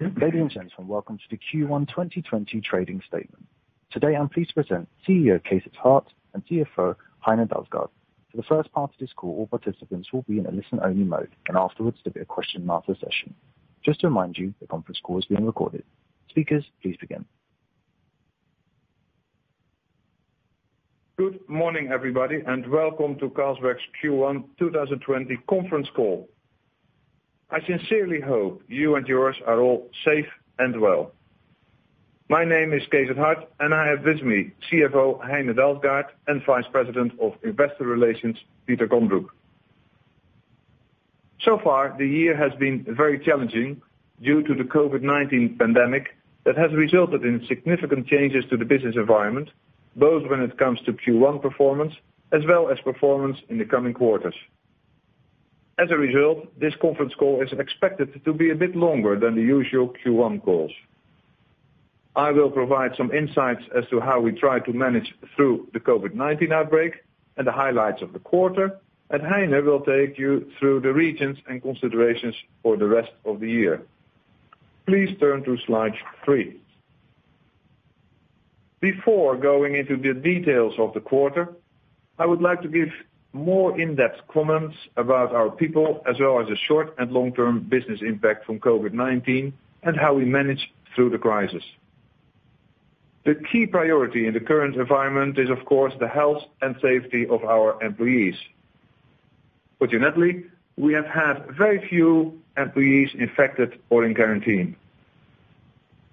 Ladies and gentlemen, welcome to the Q1 2020 trading statement. Today, I'm pleased to present CEO Cees 't Hart and CFO Heine Dalsgaard. For the first part of this call, all participants will be in a listen-only mode, and afterwards there'll be a question and answer session. Just to remind you, the conference call is being recorded. Speakers, please begin. Good morning, everybody, welcome to Carlsberg's Q1 2020 conference call. I sincerely hope you and yours are all safe and well. My name is Cees 't Hart, I have with me CFO Heine Dalsgaard and Vice President of Investor Relations, Peter Kondrup. So far, the year has been very challenging due to the COVID-19 pandemic that has resulted in significant changes to the business environment, both when it comes to Q1 performance as well as performance in the coming quarters. As a result, this conference call is expected to be a bit longer than the usual Q1 calls. I will provide some insights as to how we try to manage through the COVID-19 outbreak and the highlights of the quarter, Heine will take you through the regions and considerations for the rest of the year. Please turn to slide three. Before going into the details of the quarter, I would like to give more in-depth comments about our people, as well as the short and long-term business impact from COVID-19 and how we manage through the crisis. The key priority in the current environment is, of course, the health and safety of our employees. Fortunately, we have had very few employees infected or in quarantine.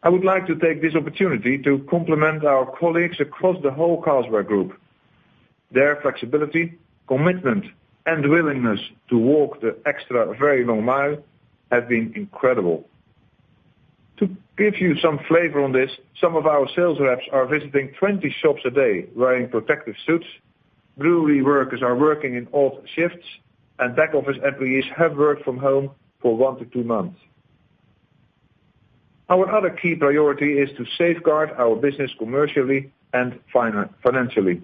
I would like to take this opportunity to compliment our colleagues across the whole Carlsberg Group. Their flexibility, commitment, and willingness to walk the extra very long mile have been incredible. To give you some flavor on this, some of our sales reps are visiting 20 shops a day wearing protective suits, brewery workers are working in alt shifts, and back office employees have worked from home for one to two months. Our other key priority is to safeguard our business commercially and financially.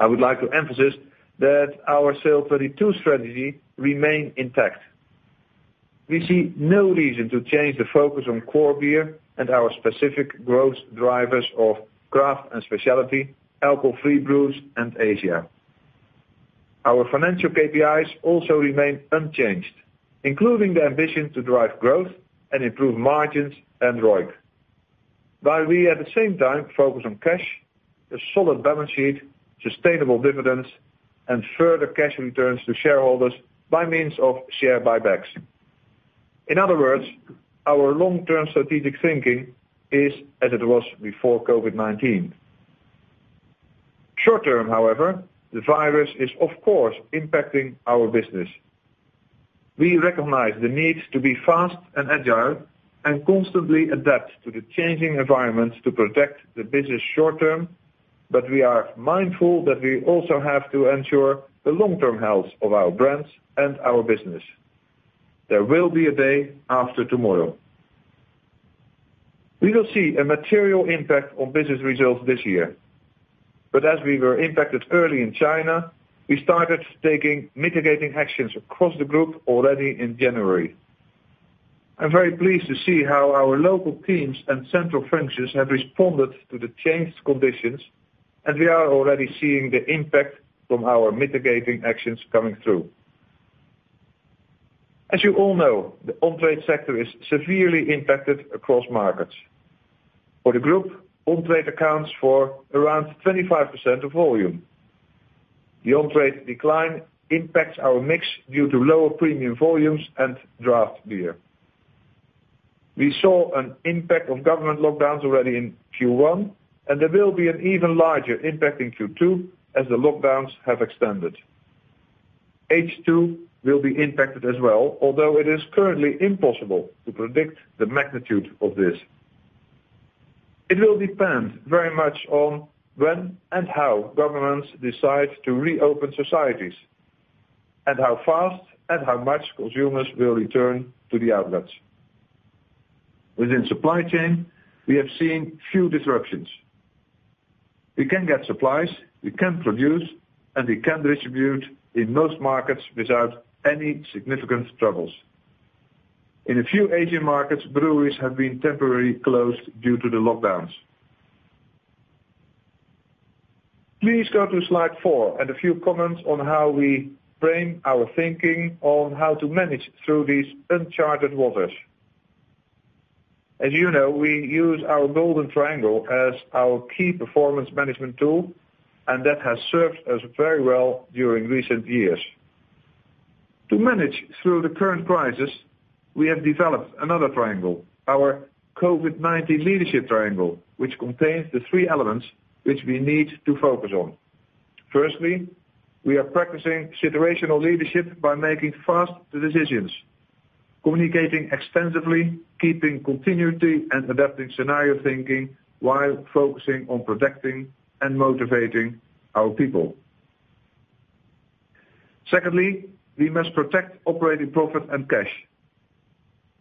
I would like to emphasize that our SAIL '22 strategy remain intact. We see no reason to change the focus on core beer and our specific growth drivers of craft and specialty, alcohol-free brews, and Asia. Our financial KPIs also remain unchanged, including the ambition to drive growth and improve margins and ROIC, while we, at the same time, focus on cash, a solid balance sheet, sustainable dividends, and further cash returns to shareholders by means of share buybacks. In other words, our long-term strategic thinking is as it was before COVID-19. Short-term, however, the virus is, of course, impacting our business. We recognize the need to be fast and agile and constantly adapt to the changing environment to protect the business short-term, we are mindful that we also have to ensure the long-term health of our brands and our business. There will be a day after tomorrow. We will see a material impact on business results this year. As we were impacted early in China, we started taking mitigating actions across the group already in January. I'm very pleased to see how our local teams and central functions have responded to the changed conditions, and we are already seeing the impact from our mitigating actions coming through. As you all know, the on-trade sector is severely impacted across markets. For the group, on-trade accounts for around 25% of volume. The on-trade decline impacts our mix due to lower premium volumes and draft beer. We saw an impact of government lockdowns already in Q1, and there will be an even larger impact in Q2 as the lockdowns have extended. H2 will be impacted as well, although it is currently impossible to predict the magnitude of this. It will depend very much on when and how governments decide to reopen societies, and how fast and how much consumers will return to the outlets. Within supply chain, we have seen few disruptions. We can get supplies, we can produce, and we can distribute in most markets without any significant troubles. In a few Asian markets, breweries have been temporarily closed due to the lockdowns. Please go to slide four and a few comments on how we frame our thinking on how to manage through these uncharted waters. As you know, we use our golden triangle as our key performance management tool, and that has served us very well during recent years. To manage through the current crisis, we have developed another triangle, our COVID-19 leadership triangle, which contains the three elements which we need to focus on. Firstly, we are practicing situational leadership by making fast decisions, communicating extensively, keeping continuity, and adapting scenario thinking while focusing on protecting and motivating our people. Secondly, we must protect operating profit and cash.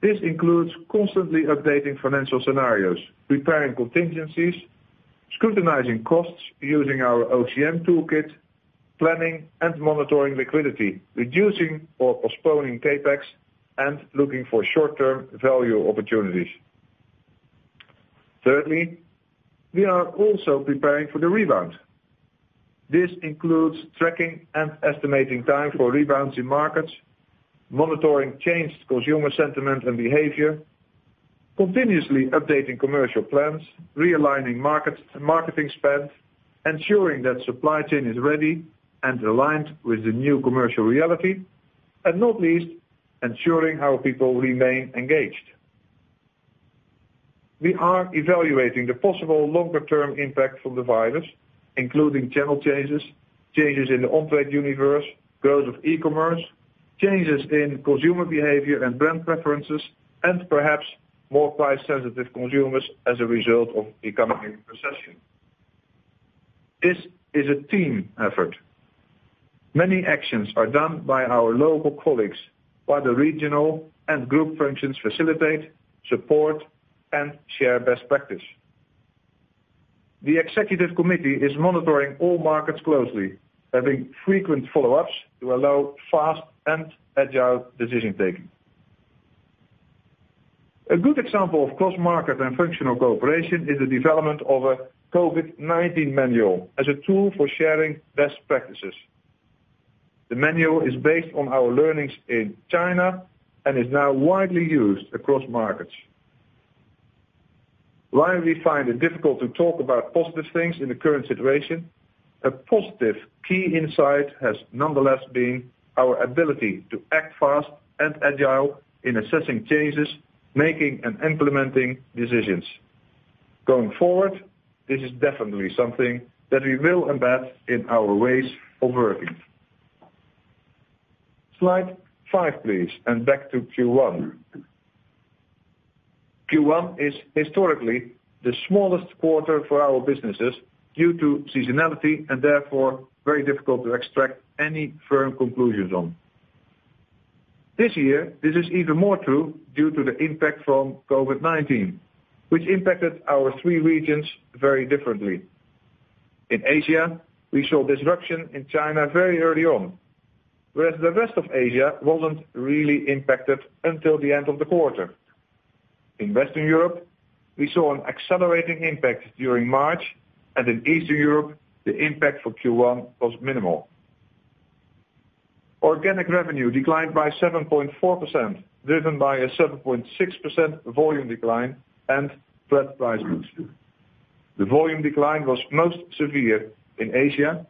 This includes constantly updating financial scenarios, preparing contingencies-scrutinizing costs using our OCM toolkit, planning and monitoring liquidity, reducing or postponing CapEx, and looking for short-term value opportunities. Thirdly, we are also preparing for the rebound. This includes tracking and estimating time for rebounds in markets, monitoring changed consumer sentiment and behavior, continuously updating commercial plans, realigning marketing spend, ensuring that supply chain is ready and aligned with the new commercial reality, and not least, ensuring our people remain engaged. We are evaluating the possible longer-term impact from the virus, including channel changes in the on-trade universe, growth of e-commerce, changes in consumer behavior and brand preferences, and perhaps more price-sensitive consumers as a result of the coming recession. This is a team effort. Many actions are done by our local colleagues, while the regional and group functions facilitate, support, and share best practice. The executive committee is monitoring all markets closely, having frequent follow-ups to allow fast and agile decision-making. A good example of cross-market and functional cooperation is the development of a COVID-19 manual as a tool for sharing best practices. The manual is based on our learnings in China and is now widely used across markets. While we find it difficult to talk about positive things in the current situation, a positive key insight has nonetheless been our ability to act fast and agile in assessing changes, making and implementing decisions. Going forward, this is definitely something that we will embed in our ways of working. Slide five, please, and back to Q1. Q1 is historically the smallest quarter for our businesses due to seasonality and therefore very difficult to extract any firm conclusions on. This year, this is even more true due to the impact from COVID-19, which impacted our three regions very differently. In Asia, we saw disruption in China very early on, whereas the rest of Asia wasn't really impacted until the end of the quarter. In Western Europe, we saw an accelerating impact during March, and in Eastern Europe, the impact for Q1 was minimal. Organic revenue declined by 7.4%, driven by a 7.6% volume decline and flat price mix. The volume decline was most severe in Asia,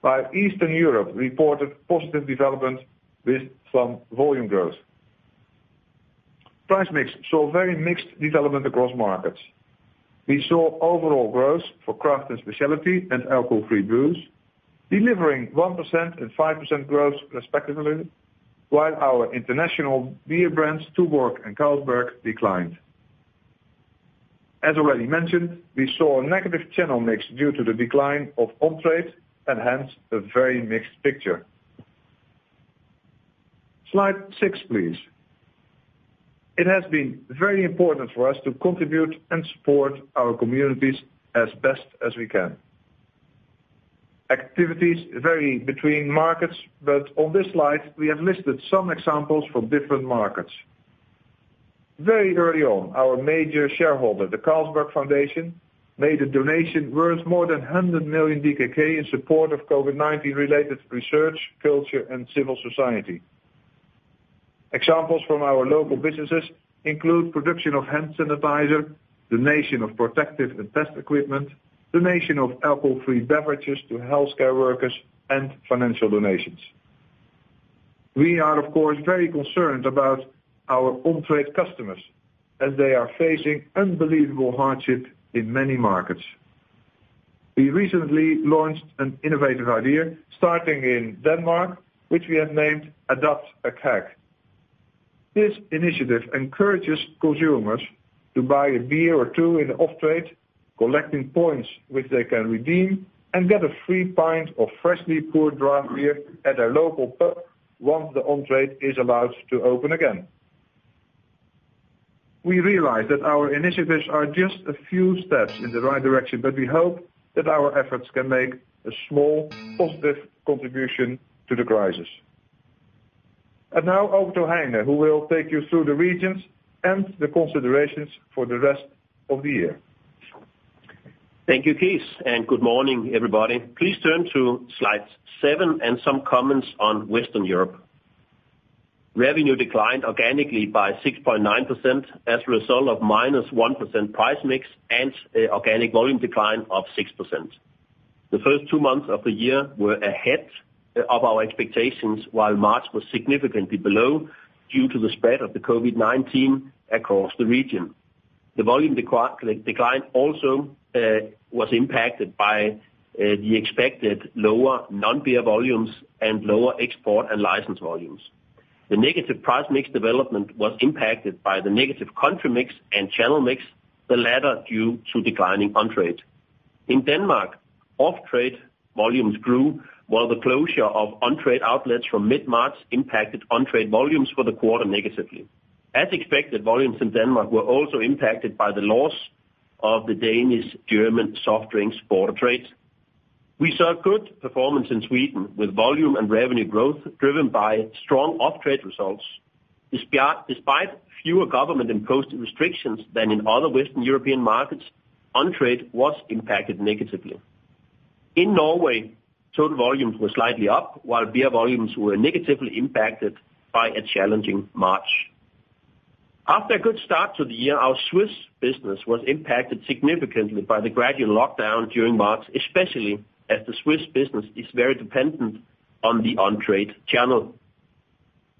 while Eastern Europe reported positive development with some volume growth. Price mix saw very mixed development across markets. We saw overall growth for craft and specialty and alcohol-free booze, delivering 1% and 5% growth respectively, while our international beer brands, Tuborg and Carlsberg, declined. As already mentioned, we saw a negative channel mix due to the decline of on-trade. Hence a very mixed picture. Slide six, please. It has been very important for us to contribute and support our communities as best as we can. Activities vary between markets. On this slide, we have listed some examples from different markets. Very early on, our major shareholder, the Carlsberg Foundation, made a donation worth more than 100 million DKK in support of COVID-19-related research, culture, and civil society. Examples from our local businesses include production of hand sanitizer, donation of protective and test equipment, donation of alcohol-free beverages to healthcare workers, and financial donations. We are, of course, very concerned about our on-trade customers as they are facing unbelievable hardship in many markets. We recently launched an innovative idea starting in Denmark, which we have named Adopt a Keg. This initiative encourages consumers to buy a beer or two in an off-trade, collecting points which they can redeem, and get a free pint of freshly poured draft beer at their local pub once the on-trade is allowed to open again. We realize that our initiatives are just a few steps in the right direction, but we hope that our efforts can make a small positive contribution to the crisis. Now over to Heine, who will take you through the regions and the considerations for the rest of the year. Thank you, Cees. Good morning, everybody. Please turn to slide seven. Some comments on Western Europe. Revenue declined organically by 6.9% as a result of -1% price mix and an organic volume decline of 6%. The first two months of the year were ahead of our expectations, while March was significantly below due to the spread of the COVID-19 across the region. The volume decline also was impacted by the expected lower non-beer volumes and lower export and license volumes. The negative price mix development was impacted by the negative country mix and channel mix, the latter due to declining on-trade. In Denmark, off-trade volumes grew while the closure of on-trade outlets from mid-March impacted on-trade volumes for the quarter negatively. As expected, volumes in Denmark were also impacted by the loss of the Danish German soft drinks border trades. We saw good performance in Sweden with volume and revenue growth driven by strong off-trade results. Despite fewer government-imposed restrictions than in other Western European markets, on-trade was impacted negatively. In Norway, total volumes were slightly up, while beer volumes were negatively impacted by a challenging March. After a good start to the year, our Swiss business was impacted significantly by the gradual lockdown during March, especially as the Swiss business is very dependent on the on-trade channel.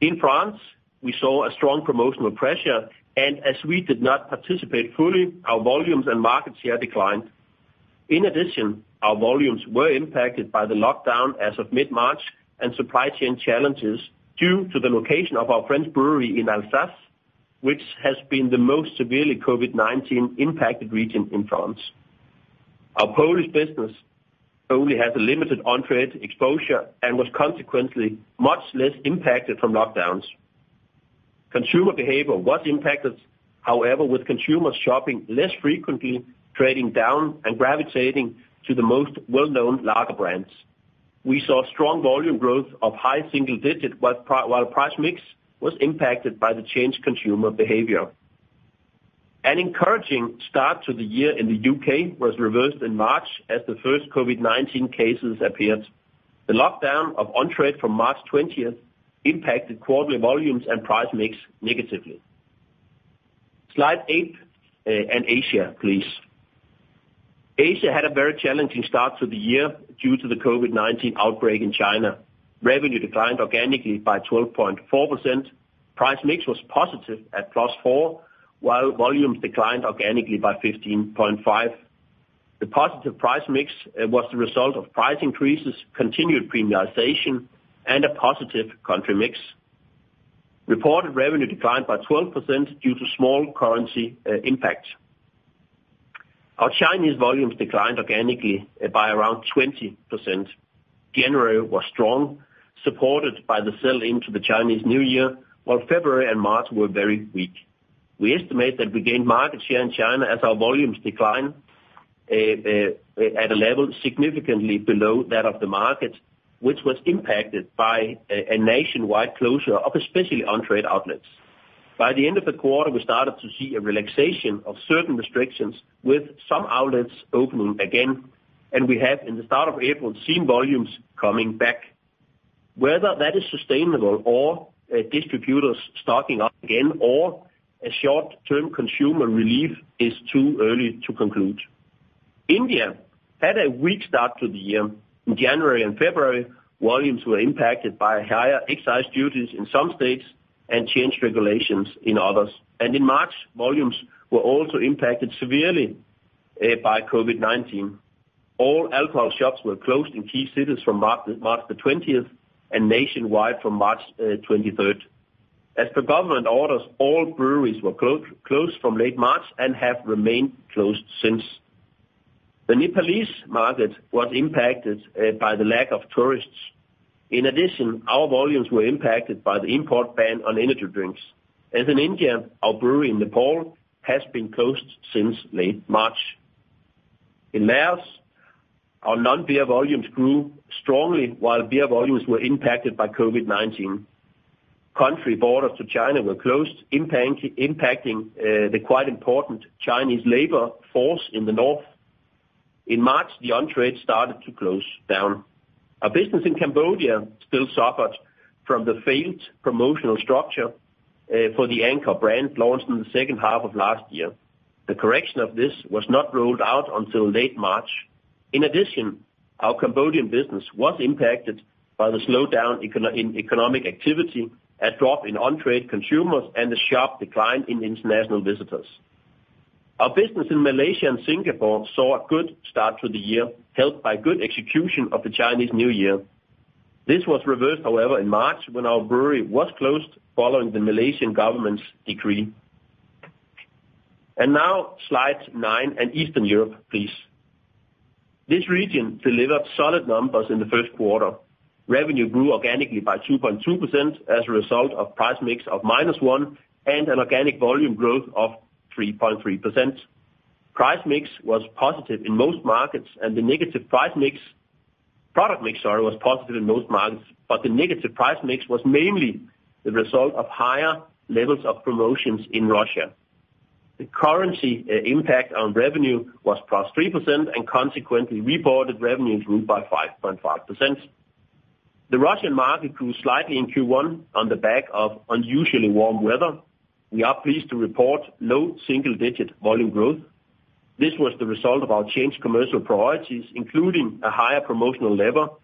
In France, we saw a strong promotional pressure, and as we did not participate fully, our volumes and market share declined. In addition, our volumes were impacted by the lockdown as of mid-March and supply chain challenges due to the location of our French brewery in Alsace, which has been the most severely COVID-19 impacted region in France. Our Polish business only has a limited on-trade exposure and was consequently much less impacted from lockdowns. Consumer behavior was impacted, however, with consumers shopping less frequently, trading down and gravitating to the most well-known lager brands. We saw strong volume growth of high single digits, while price mix was impacted by the changed consumer behavior. An encouraging start to the year in the U.K. was reversed in March as the first COVID-19 cases appeared. The lockdown of on-trade from March 20th impacted quarterly volumes and price mix negatively. Slide eight and Asia, please. Asia had a very challenging start to the year due to the COVID-19 outbreak in China. Revenue declined organically by 12.4%. Price mix was positive at plus four, while volumes declined organically by 15.5%. The positive price mix was the result of price increases, continued premiumization, and a positive country mix. Reported revenue declined by 12% due to small currency impact. Our Chinese volumes declined organically by around 20%. January was strong, supported by the sell into the Chinese New Year, while February and March were very weak. We estimate that we gained market share in China as our volumes declined at a level significantly below that of the market, which was impacted by a nationwide closure of especially on-trade outlets. By the end of the quarter, we started to see a relaxation of certain restrictions, with some outlets opening again. We have, in the start of April, seen volumes coming back. Whether that is sustainable or distributors stocking up again or a short-term consumer relief is too early to conclude. India had a weak start to the year. In January and February, volumes were impacted by higher excise duties in some states and changed regulations in others. In March, volumes were also impacted severely by COVID-19. All alcohol shops were closed in key cities from March the 20th and nationwide from March 23rd. As per government orders, all breweries were closed from late March and have remained closed since. The Nepalese market was impacted by the lack of tourists. In addition, our volumes were impacted by the import ban on energy drinks. As in India, our brewery in Nepal has been closed since late March. In Laos, our non-beer volumes grew strongly while beer volumes were impacted by COVID-19. Country borders to China were closed, impacting the quite important Chinese labor force in the north. In March, the on-trade started to close down. Our business in Cambodia still suffered from the failed promotional structure for the Anchor brand launched in the second half of last year. The correction of this was not rolled out until late March. Our Cambodian business was impacted by the slowdown in economic activity, a drop in on-trade consumers, and a sharp decline in international visitors. Our business in Malaysia and Singapore saw a good start to the year, helped by good execution of the Chinese New Year. This was reversed, however, in March when our brewery was closed following the Malaysian government's decree. Now slide nine and Eastern Europe, please. This region delivered solid numbers in the first quarter. Revenue grew organically by 2.2% as a result of price mix of -1% and an organic volume growth of 3.3%. Product mix, sorry, was positive in most markets, but the negative price mix was mainly the result of higher levels of promotions in Russia. The currency impact on revenue was +3% and consequently reported revenues grew by 5.5%. The Russian market grew slightly in Q1 on the back of unusually warm weather. We are pleased to report low single-digit volume growth. This was the result of our changed commercial priorities, including a higher promotional level,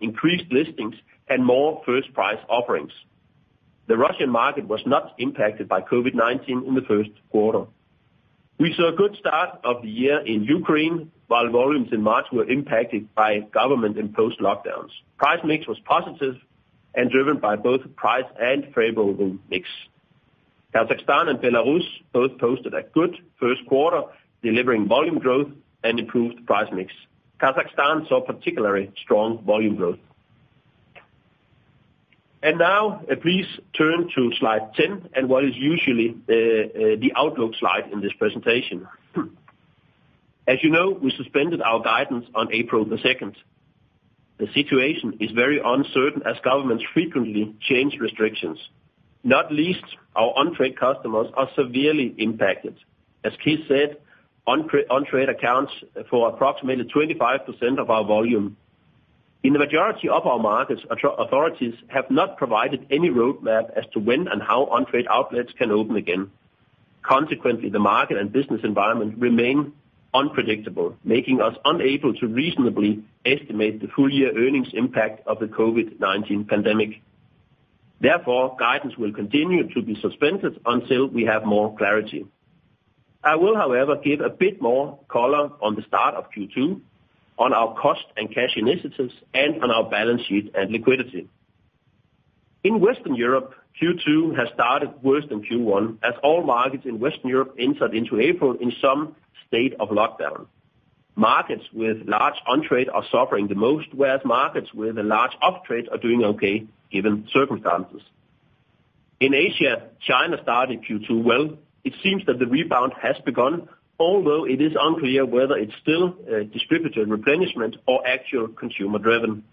increased listings, and more first-price offerings. The Russian market was not impacted by COVID-19 in the first quarter. We saw a good start of the year in Ukraine, while volumes in March were impacted by government-imposed lockdowns. Price mix was positive and driven by both price and favorable mix. Kazakhstan and Belarus both posted a good first quarter, delivering volume growth and improved price mix. Kazakhstan saw particularly strong volume growth. Now please turn to slide 10 and what is usually the outlook slide in this presentation. As you know, we suspended our guidance on April the 2nd. The situation is very uncertain as governments frequently change restrictions, not least our on-trade customers are severely impacted. As Cees said, on-trade accounts for approximately 25% of our volume. In the majority of our markets, authorities have not provided any roadmap as to when and how on-trade outlets can open again. Consequently, the market and business environment remain unpredictable, making us unable to reasonably estimate the full year earnings impact of the COVID-19 pandemic. Therefore, guidance will continue to be suspended until we have more clarity. I will, however, give a bit more color on the start of Q2, on our cost and cash initiatives, and on our balance sheet and liquidity. In Western Europe, Q2 has started worse than Q1 as all markets in Western Europe entered into April in some state of lockdown. Markets with large on-trade are suffering the most, whereas markets with a large off-trade are doing okay given circumstances. In Asia, China started Q2 well. It seems that the rebound has begun, although it is unclear whether it's still distributor replenishment or actual consumer driven.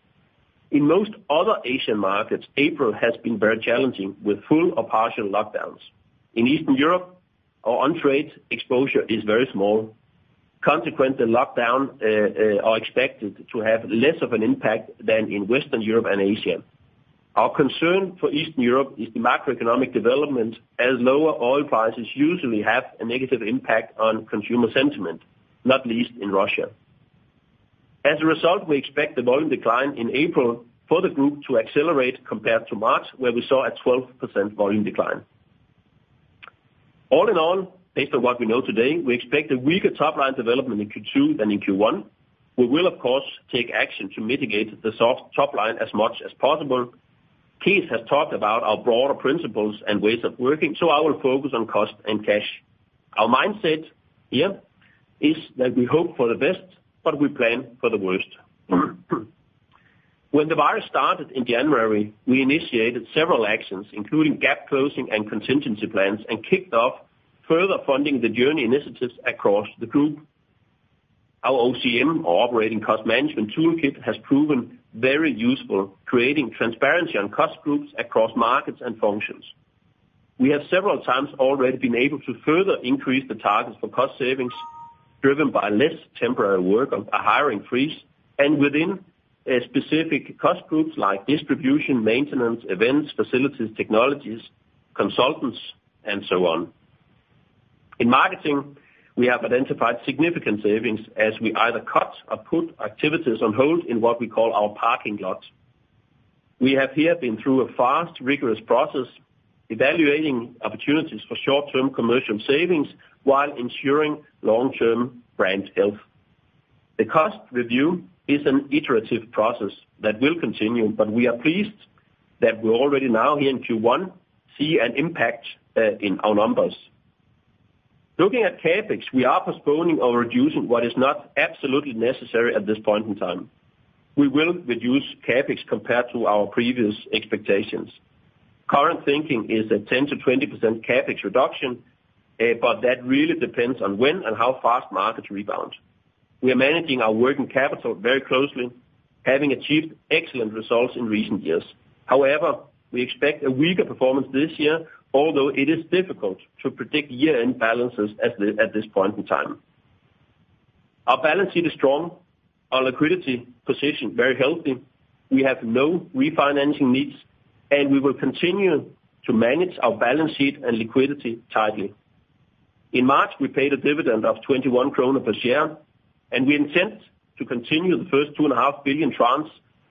In most other Asian markets, April has been very challenging with full or partial lockdowns. In Eastern Europe, our on-trade exposure is very small. Consequently, lockdowns are expected to have less of an impact than in Western Europe and Asia. Our concern for Eastern Europe is the macroeconomic development, as lower oil prices usually have a negative impact on consumer sentiment, not least in Russia. As a result, we expect the volume decline in April for the group to accelerate compared to March, where we saw a 12% volume decline. All in all, based on what we know today, we expect a weaker top-line development in Q2 than in Q1. We will of course, take action to mitigate the soft top line as much as possible. Cees has talked about our broader principles and ways of working, so I will focus on cost and cash. Our mindset here is that we hope for the best, but we plan for the worst. When the virus started in January, we initiated several actions, including gap closing and contingency plans, and kicked off further funding the journey initiatives across the group. Our OCM or Operating Cost Management toolkit has proven very useful, creating transparency on cost groups across markets and functions. We have several times already been able to further increase the targets for cost savings driven by less temporary work, a hiring freeze, and within specific cost groups like distribution, maintenance, events, facilities, technologies, consultants, and so on. In marketing, we have identified significant savings as we either cut or put activities on hold in what we call our parking lot. We have here been through a fast, rigorous process, evaluating opportunities for short-term commercial savings while ensuring long-term brand health. The cost review is an iterative process that will continue, but we are pleased that we're already now here in Q1 see an impact in our numbers. Looking at CapEx, we are postponing or reducing what is not absolutely necessary at this point in time. We will reduce CapEx compared to our previous expectations. Current thinking is a 10%-20% CapEx reduction, that really depends on when and how fast markets rebound. We are managing our working capital very closely, having achieved excellent results in recent years. However, we expect a weaker performance this year, although it is difficult to predict year-end balances at this point in time. Our balance sheet is strong, our liquidity position very healthy. We have no refinancing needs, we will continue to manage our balance sheet and liquidity tightly. In March, we paid a dividend of 21 kroner per share, we intend to continue the first 2.5 billion tranche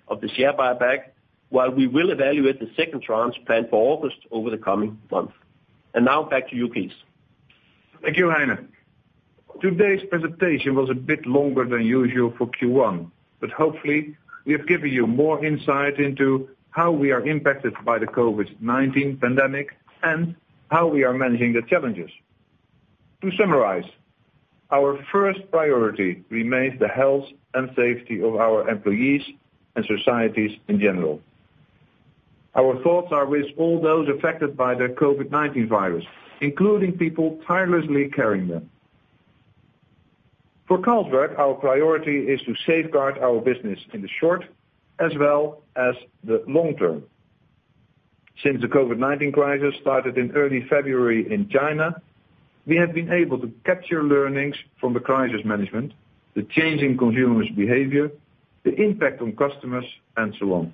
of the share buyback while we will evaluate the second tranche planned for August over the coming month. Now back to you, Cees. Thank you, Heine. Today's presentation was a bit longer than usual for Q1, but hopefully, we have given you more insight into how we are impacted by the COVID-19 pandemic and how we are managing the challenges. To summarize, our first priority remains the health and safety of our employees and societies in general. Our thoughts are with all those affected by the COVID-19 virus, including people tirelessly caring them. For Carlsberg, our priority is to safeguard our business in the short as well as the long term. Since the COVID-19 crisis started in early February in China, we have been able to capture learnings from the crisis management, the change in consumers' behavior, the impact on customers, and so on.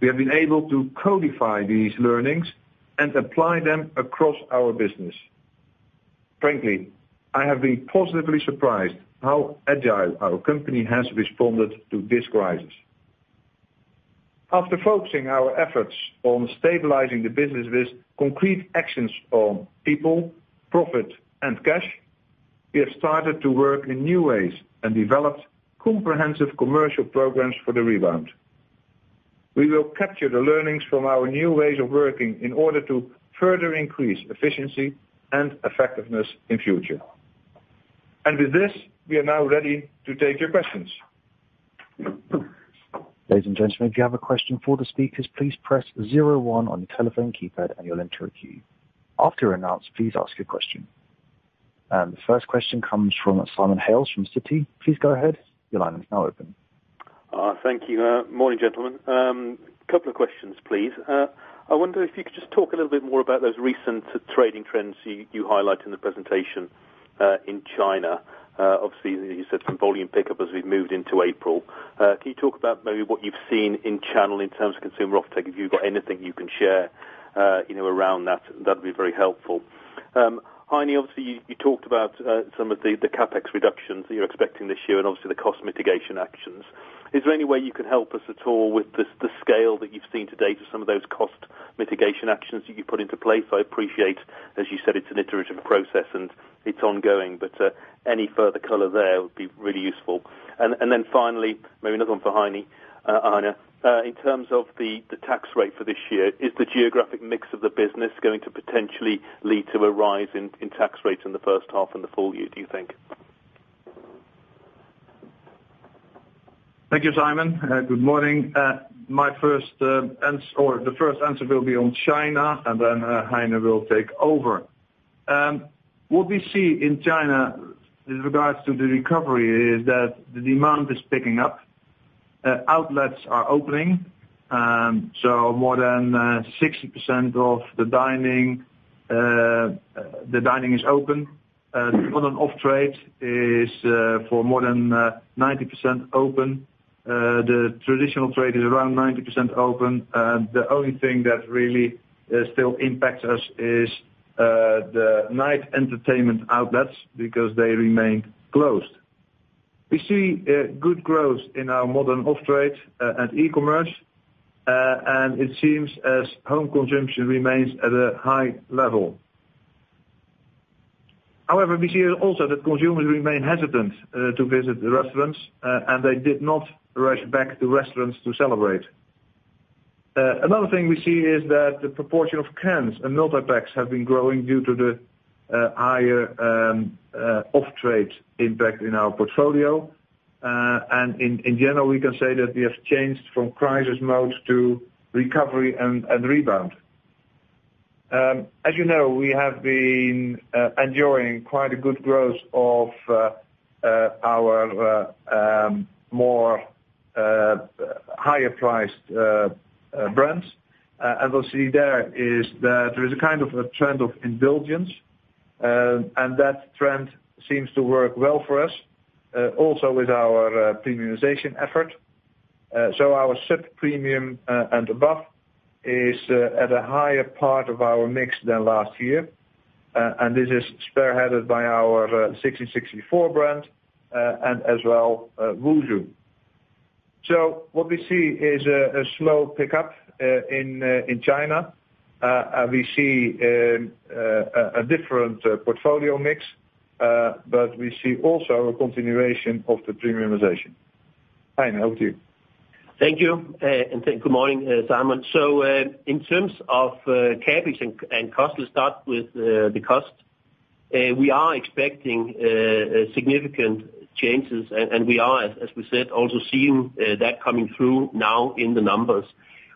We have been able to codify these learnings and apply them across our business. Frankly, I have been positively surprised how agile our company has responded to this crisis. After focusing our efforts on stabilizing the business with concrete actions on people, profit, and cash, we have started to work in new ways and developed comprehensive commercial programs for the rebound. We will capture the learnings from our new ways of working in order to further increase efficiency and effectiveness in future. With this, we are now ready to take your questions. Ladies and gentlemen, if you have a question for the speakers, please press zero one on your telephone keypad and you will enter a queue. After announced, please ask your question. The first question comes from Simon Hales from Citi. Please go ahead. Your line is now open. Thank you. Morning, gentlemen. Couple of questions, please. I wonder if you could just talk a little bit more about those recent trading trends you highlight in the presentation, in China. You said some volume pickup as we've moved into April. Can you talk about maybe what you've seen in channel in terms of consumer offtake? If you've got anything you can share around that'd be very helpful. Heine, you talked about some of the CapEx reductions that you're expecting this year and obviously the cost mitigation actions. Is there any way you could help us at all with the scale that you've seen to date of some of those cost mitigation actions that you've put into place? I appreciate, as you said, it's an iterative process and it's ongoing, any further color there would be really useful. Finally, maybe another one for Heine. In terms of the tax rate for this year, is the geographic mix of the business going to potentially lead to a rise in tax rates in the first half and the full year, do you think? Thank you, Simon. Good morning. The first answer will be on China, and then Heine will take over. What we see in China with regards to the recovery is that the demand is picking up. Outlets are opening. More than 60% of the dining is open. On and off trade is for more than 90% open. The traditional trade is around 90% open. The only thing that really still impacts us is the night entertainment outlets because they remain closed. We see good growth in our modern off-trade and e-commerce, and it seems as home consumption remains at a high level. However, we see also that consumers remain hesitant to visit the restaurants, and they did not rush back to restaurants to celebrate. Another thing we see is that the proportion of cans and multipacks have been growing due to the higher off-trade impact in our portfolio. In general, we can say that we have changed from crisis mode to recovery and rebound. As you know, we have been enjoying quite a good growth of our more higher priced brands. As you'll see there is that there is a kind of a trend of indulgence, and that trend seems to work well for us, also with our premiumization effort. Our SIP premium, and above, is at a higher part of our mix than last year. This is spearheaded by our 1664 brand, and as well, Wusu. What we see is a slow pickup in China. We see a different portfolio mix, but we see also a continuation of the premiumization. Heine, over to you. Thank you, and good morning, Simon. In terms of CapEx and cost, let's start with the cost. We are expecting significant changes, and we are, as we said, also seeing that coming through now in the numbers.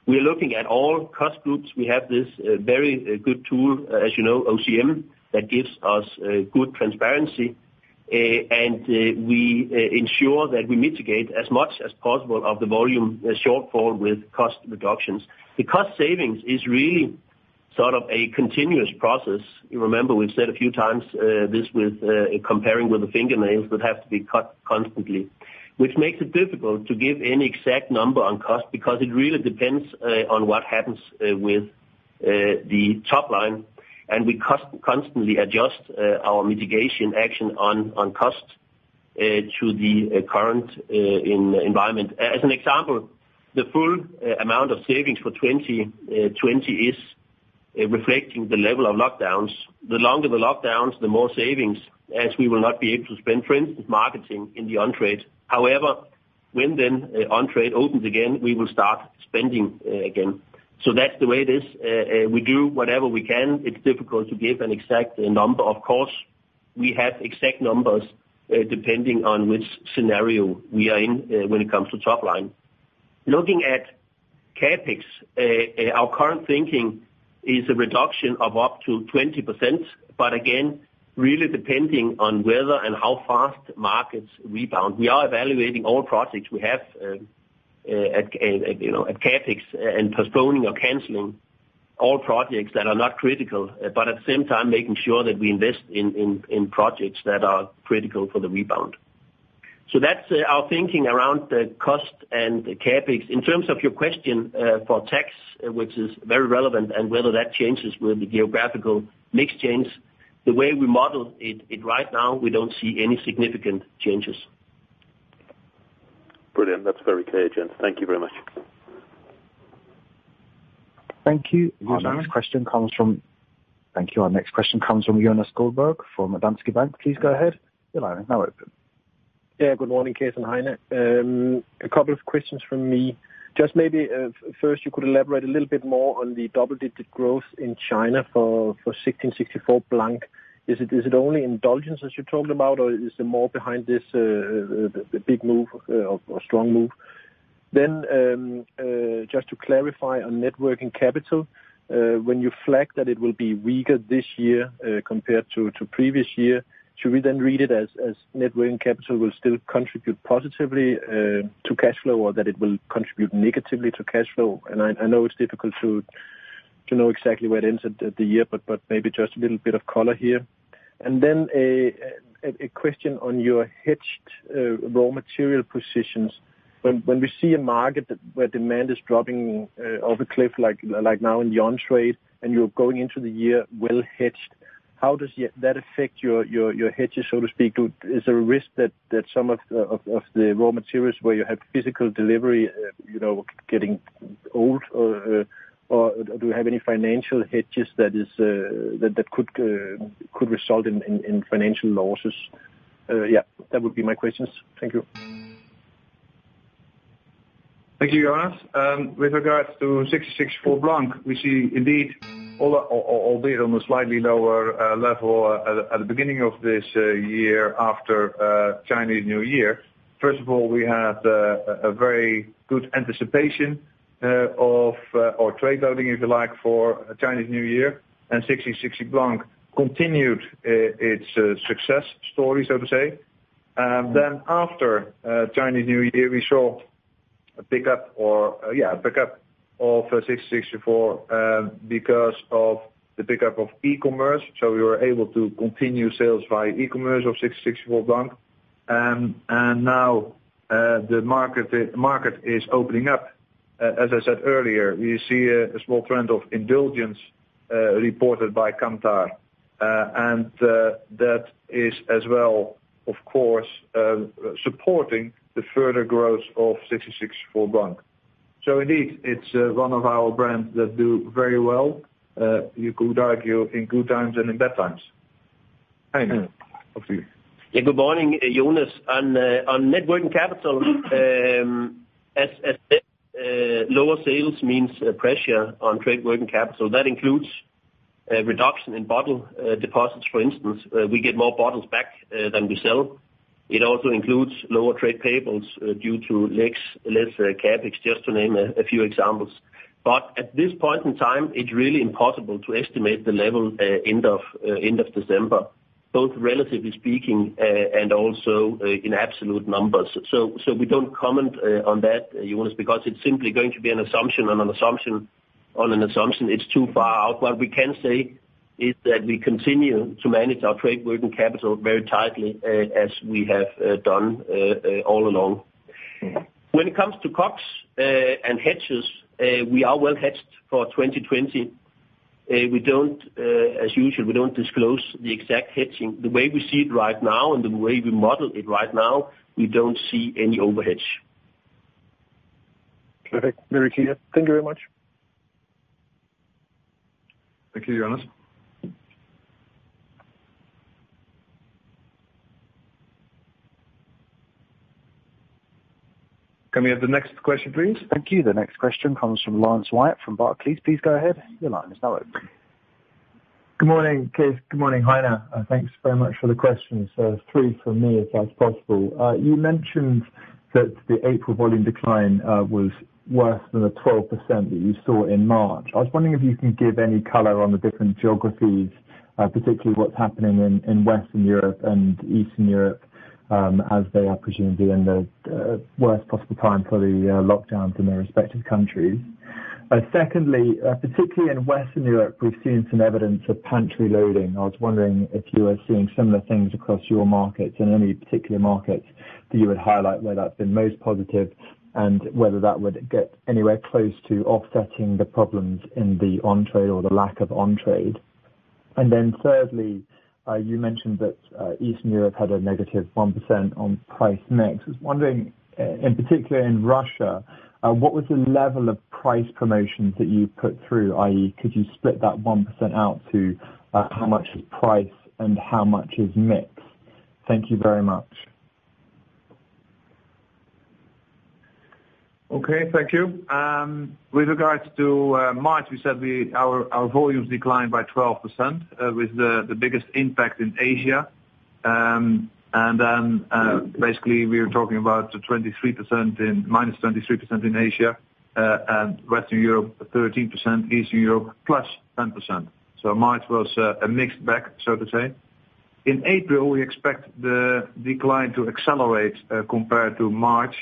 We are looking at all cost groups. We have this very good tool, as you know, OCM, that gives us good transparency, and we ensure that we mitigate as much as possible of the volume shortfall with cost reductions. The cost savings is really sort of a continuous process. You remember we've said a few times, this with comparing with the fingernails that have to be cut constantly, which makes it difficult to give any exact number on cost because it really depends on what happens with the top line, and we constantly adjust our mitigation action on cost to the current environment. As an example, the full amount of savings for 2020 is reflecting the level of lockdowns. The longer the lockdowns, the more savings, as we will not be able to spend, for instance, marketing in the on-trade. When on-trade opens again, we will start spending again. That's the way it is. We do whatever we can. It's difficult to give an exact number. Of course, we have exact numbers, depending on which scenario we are in when it comes to top line. Looking at CapEx, our current thinking is a reduction of up to 20%, but again, really depending on whether and how fast markets rebound. We are evaluating all projects we have at CapEx and postponing or canceling all projects that are not critical, but at the same time making sure that we invest in projects that are critical for the rebound. That's our thinking around the cost and the CapEx. In terms of your question, for tax, which is very relevant and whether that changes with the geographical mix change, the way we model it right now, we don't see any significant changes. Brilliant. That's very clear, gents. Thank you very much. Thank you. Our next question comes from Jonas Guldborg from Danske Bank. Please go ahead. Your line is now open. Good morning, Cees and Heine. A couple of questions from me. Just maybe first, you could elaborate a little bit more on the double-digit growth in China for 1664 Blanc. Is it only indulgence as you're talking about, or is there more behind this big move or strong move? Just to clarify on net working capital, when you flag that it will be weaker this year, compared to previous year, should we then read it as net working capital will still contribute positively to cash flow or that it will contribute negatively to cash flow? I know it's difficult to know exactly where it ends at the year, but maybe just a little bit of color here. Then a question on your hedged raw material positions. When we see a market where demand is dropping off a cliff like now in the on-trade, and you're going into the year well hedged, how does that affect your hedges, so to speak? Is there a risk that some of the raw materials where you have physical delivery getting old or do you have any financial hedges that could result in financial losses? Yeah, that would be my questions. Thank you. Thank you, Jonas. With regards to 1664 Blanc, we see indeed, albeit on a slightly lower level at the beginning of this year after Chinese New Year. First of all, we had a very good anticipation of or trade loading, if you like, for Chinese New Year, and 1664 Blanc continued its success story, so to say. After Chinese New Year, we saw a pickup of 1664, because of the pickup of e-commerce. We were able to continue sales via e-commerce of 1664 Blanc. Now the market is opening up. As I said earlier, we see a small trend of indulgence, reported by Kantar. That is as well, of course, supporting the further growth of 1664 Blanc. Indeed, it's one of our brands that do very well, you could argue, in good times and in bad times. Heine, off to you. Yeah. Good morning, Jonas. On net working capital, as said, lower sales means pressure on trade working capital. That includes a reduction in bottle deposits, for instance. We get more bottles back than we sell. It also includes lower trade payables due to less CapEx, just to name a few examples. At this point in time, it's really impossible to estimate the level end of December, both relatively speaking and also in absolute numbers. We don't comment on that, Jonas, because it's simply going to be an assumption on an assumption on an assumption. It's too far out. What we can say is that we continue to manage our trade working capital very tightly, as we have done all along. Yeah. When it comes to COGS and hedges, we are well hedged for 2020. As usual, we don't disclose the exact hedging. The way we see it right now and the way we model it right now, we don't see any overhedge. Perfect. Very clear. Thank you very much. Thank you, Jonas. Can we have the next question, please? Thank you. The next question comes from Laurence Whyatt from Barclays. Please go ahead. Your line is now open. Good morning, Cees. Good morning, Heine. Thanks very much for the questions. Three from me, if that's possible. You mentioned that the April volume decline was worse than the 12% that you saw in March. I was wondering if you can give any color on the different geographies, particularly what's happening in Western Europe and Eastern Europe, as they are presumably in the worst possible time for the lockdowns in their respective countries. Secondly, particularly in Western Europe, we've seen some evidence of pantry loading. I was wondering if you are seeing similar things across your markets, and any particular markets that you would highlight where that's been most positive, and whether that would get anywhere close to offsetting the problems in the on-trade or the lack of on-trade. Thirdly, you mentioned that Eastern Europe had a negative 1% on price mix. I was wondering, in particular in Russia, what was the level of price promotions that you put through, i.e., could you split that 1% out to how much is price and how much is mix? Thank you very much. Okay. Thank you. With regards to March, we said our volumes declined by 12%, with the biggest impact in Asia. Basically, we are talking about -23% in Asia, and Western Europe, 13%, Eastern Europe, +10%. March was a mixed bag, so to say. In April, we expect the decline to accelerate compared to March,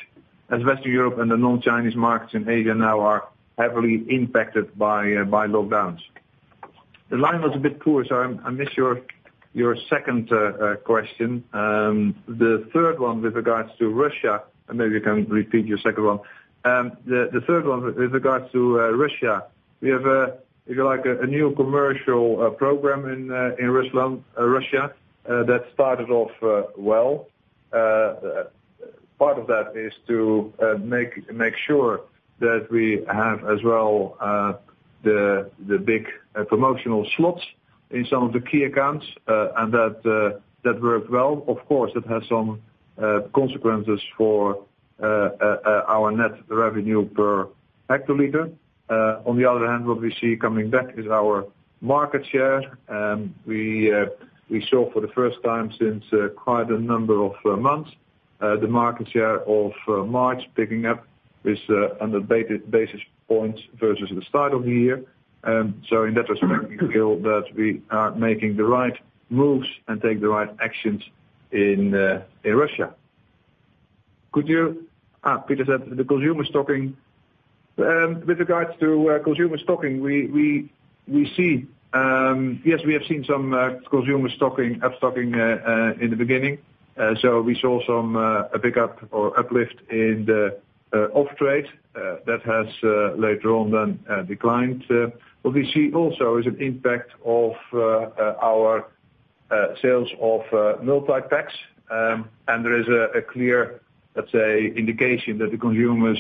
as Western Europe and the non-Chinese markets in Asia now are heavily impacted by lockdowns. The line was a bit poor, so I missed your second question. The third one with regards to Russia. Maybe you can repeat your second one. The third one with regards to Russia, we have, if you like, a new commercial program in Russia that started off well. Part of that is to make sure that we have as well, the big promotional slots in some of the key accounts, and that worked well. Of course, it has some consequences for our net revenue per hectoliter. On the other hand, what we see coming back is our market share. We saw for the first time since quite a number of months, the market share of March picking up with under basis points versus the start of the year. In that respect, we feel that we are making the right moves and take the right actions in Russia. As we said the consumer stocking. With regards to consumer stocking, yes, we have seen some consumer up stocking in the beginning. We saw a pickup or uplift in the off-trade that has later on then declined. What we see also is an impact of our sales of multipacks. There is a clear, let's say, indication that the consumers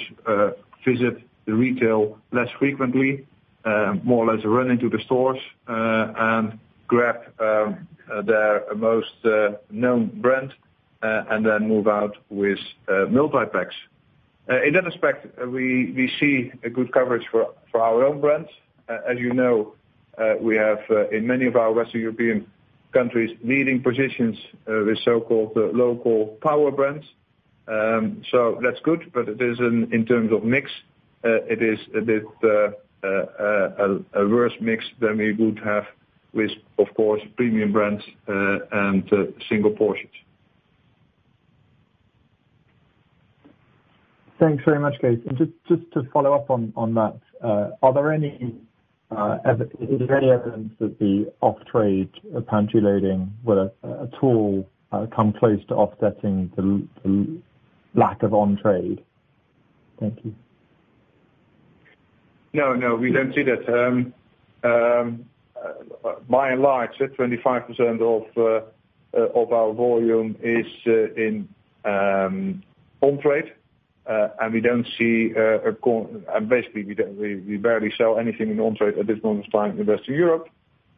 visit the retail less frequently, more or less run into the stores, and grab their most known brand, and then move out with multipacks. In that respect, we see a good coverage for our own brands. As you know, we have in many of our Western European countries, leading positions with so-called local power brands. That's good, but it isn't in terms of mix, it is a bit a worse mix than we would have with, of course, premium brands and single portions. Thanks very much, Cees. Just to follow up on that, is there any evidence that the off-trade pantry loading will at all come close to offsetting the lack of on-trade? Thank you. No, we don't see that. By and large, 25% of our volume is in on-trade, and basically we barely sell anything in on-trade at this point in time in Western Europe.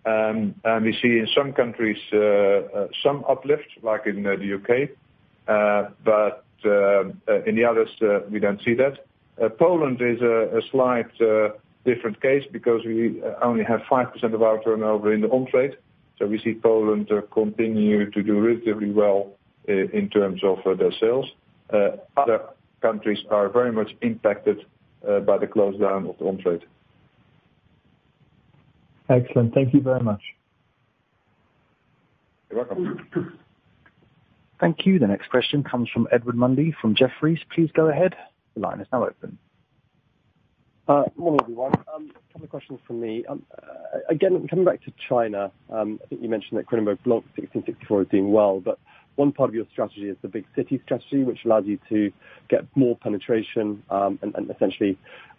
We see in some countries some uplift, like in the U.K. In the others, we don't see that. Poland is a slight different case because we only have 5% of our turnover in the on-trade. We see Poland continue to do relatively well in terms of their sales. Other countries are very much impacted by the close down of the on-trade. Excellent. Thank you very much. You're welcome. Thank you. The next question comes from Edward Mundy from Jefferies. Please go ahead. The line is now open. Morning, everyone. A couple of questions from me. Again, coming back to China, I think you mentioned that Kronenbourg 1664 Blanc is doing well, but one part of your strategy is the big city strategy, which allows you to get more penetration, and essentially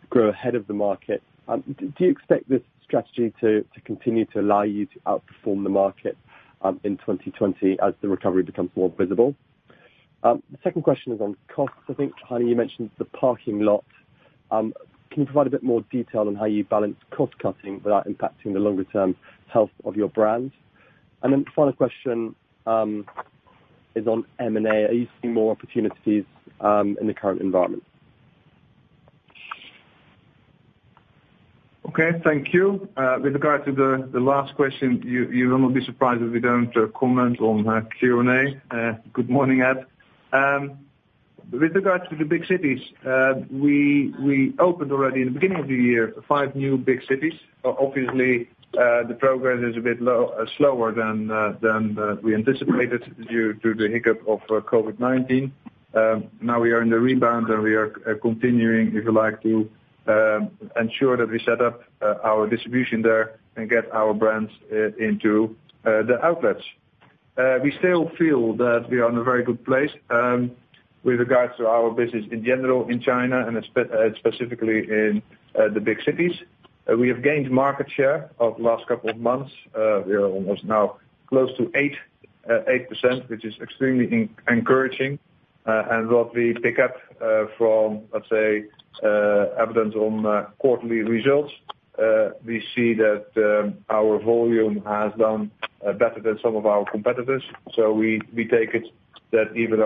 grow ahead of the market. Do you expect this strategy to continue to allow you to outperform the market, in 2020 as the recovery becomes more visible? The second question is on costs. I think, Heine, you mentioned the parking lot. Can you provide a bit more detail on how you balance cost cutting without impacting the longer term health of your brand? Final question is on M&A. Are you seeing more opportunities in the current environment? Okay, thank you. With regard to the last question, you will not be surprised if we don't comment on that Q&A. Good morning, Ed. With regards to the big cities, we opened already in the beginning of the year, five new big cities. Obviously, the progress is a bit slower than we anticipated due to the hiccup of COVID-19. Now we are in the rebound, and we are continuing, if you like, to ensure that we set up our distribution there and get our brands into the outlets. We still feel that we are in a very good place with regards to our business in general in China and specifically in the big cities. We have gained market share of last couple of months. We are almost now close to 8%, which is extremely encouraging. What we pick up from, let's say, evidence on quarterly results, we see that our volume has done better than some of our competitors. We take it that even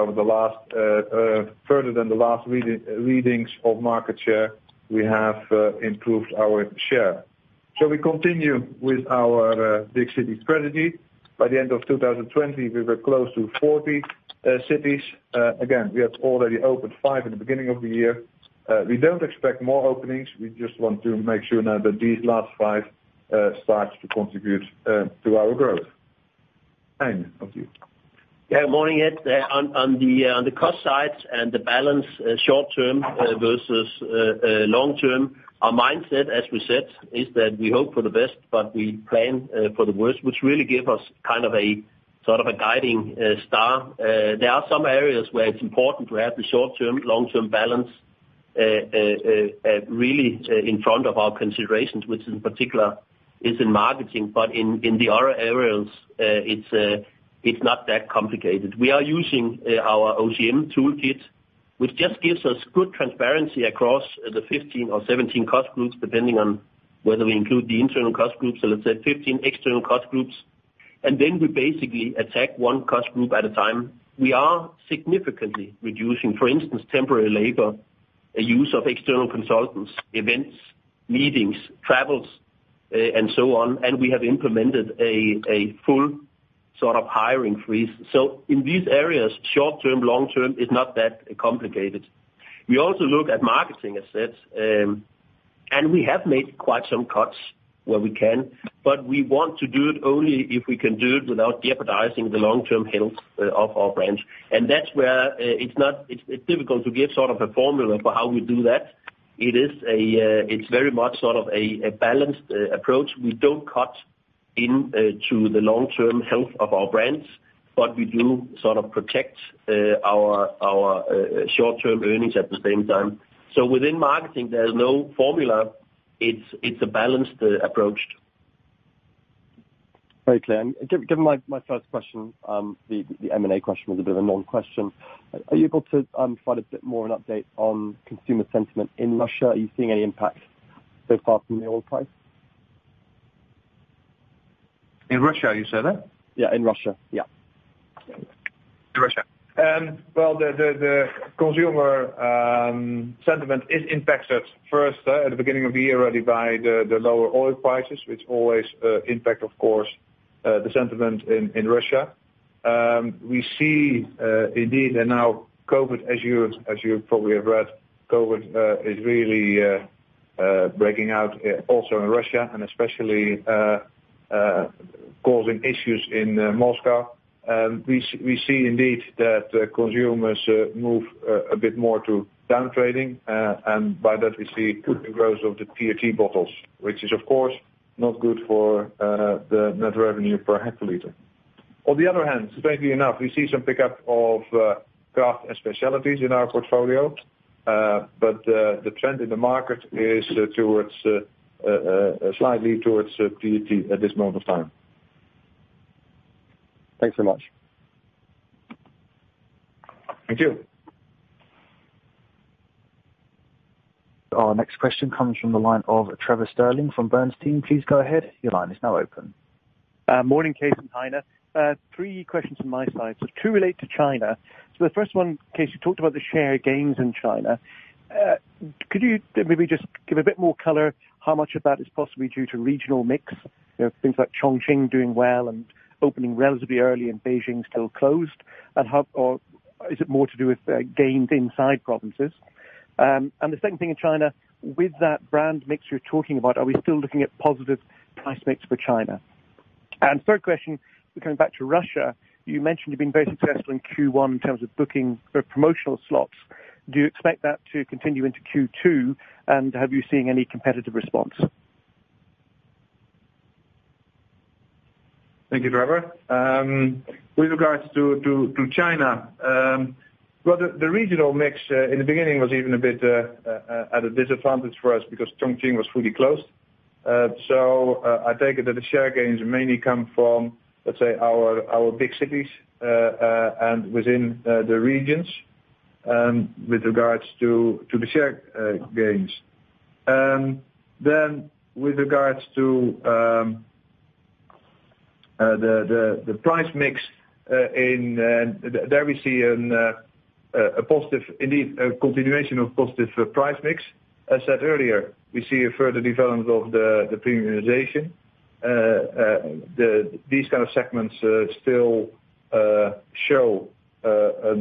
further than the last readings of market share, we have improved our share. We continue with our big cities strategy. By the end of 2020, we were close to 40 cities. Again, we have already opened five in the beginning of the year. We don't expect more openings. We just want to make sure now that these last five starts to contribute to our growth. Heine, on to you. Yeah, morning, Ed. On the cost side and the balance short term versus long term. Our mindset, as we said, is that we hope for the best, but we plan for the worst, which really give us sort of a guiding star. There are some areas where it's important to have the short-term, long-term balance really in front of our considerations, which in particular is in marketing, but in the other areas, it's not that complicated. We are using our OCM toolkit, which just gives us good transparency across the 15 or 17 cost groups, depending on whether we include the internal cost groups, so let's say 15 external cost groups. Then we basically attack one cost group at a time. We are significantly reducing, for instance, temporary labor, use of external consultants, events, meetings, travels, and so on. We have implemented a full sort of hiring freeze. In these areas, short-term, long-term, it's not that complicated. We also look at marketing assets, and we have made quite some cuts where we can, but we want to do it only if we can do it without jeopardizing the long-term health of our brands. That's where it's difficult to give sort of a formula for how we do that. It's very much sort of a balanced approach. We don't cut into the long-term health of our brands, but we do sort of protect our short-term earnings at the same time. Within marketing, there is no formula. It's a balanced approach. Very clear. Given my first question, the M&A question was a bit of a long question. Are you able to provide a bit more of an update on consumer sentiment in Russia? Are you seeing any impact so far from the oil price? In Russia, you said? Yeah, in Russia. Yeah. In Russia. The consumer sentiment is impacted first, at the beginning of the year, already by the lower oil prices, which always impact, of course, the sentiment in Russia. We see indeed, now COVID, as you probably have read, COVID is really breaking out also in Russia and especially causing issues in Moscow. We see indeed that consumers move a bit more to downtrading, by that we see the growth of the PET bottles, which is of course not good for the net revenue per hectoliter. On the other hand, strangely enough, we see some pickup of craft and specialties in our portfolio. The trend in the market is slightly towards PET at this moment of time. Thanks so much. Thank you. Our next question comes from the line of Trevor Stirling from Bernstein. Please go ahead. Your line is now open. Morning, Cees and Heine. Three questions from my side. Two relate to China. The first one, Cees, you talked about the share gains in China. Could you maybe just give a bit more color how much of that is possibly due to regional mix? Things like Chongqing doing well and opening relatively early and Beijing still closed. Or is it more to do with gains inside provinces? The second thing in China, with that brand mix you're talking about, are we still looking at positive price mix for China? Third question, coming back to Russia, you mentioned you've been very successful in Q1 in terms of booking promotional slots. Do you expect that to continue into Q2, and have you seen any competitive response? Thank you, Trevor. With regards to China, well, the regional mix in the beginning was even a bit at a disadvantage for us because Chongqing was fully closed. I take it that the share gains mainly come from, let's say, our big cities, and within the regions, with regards to the share gains. With regards to the price mix, there we see indeed, a continuation of positive price mix. As said earlier, we see a further development of the premiumization. These kind of segments still show a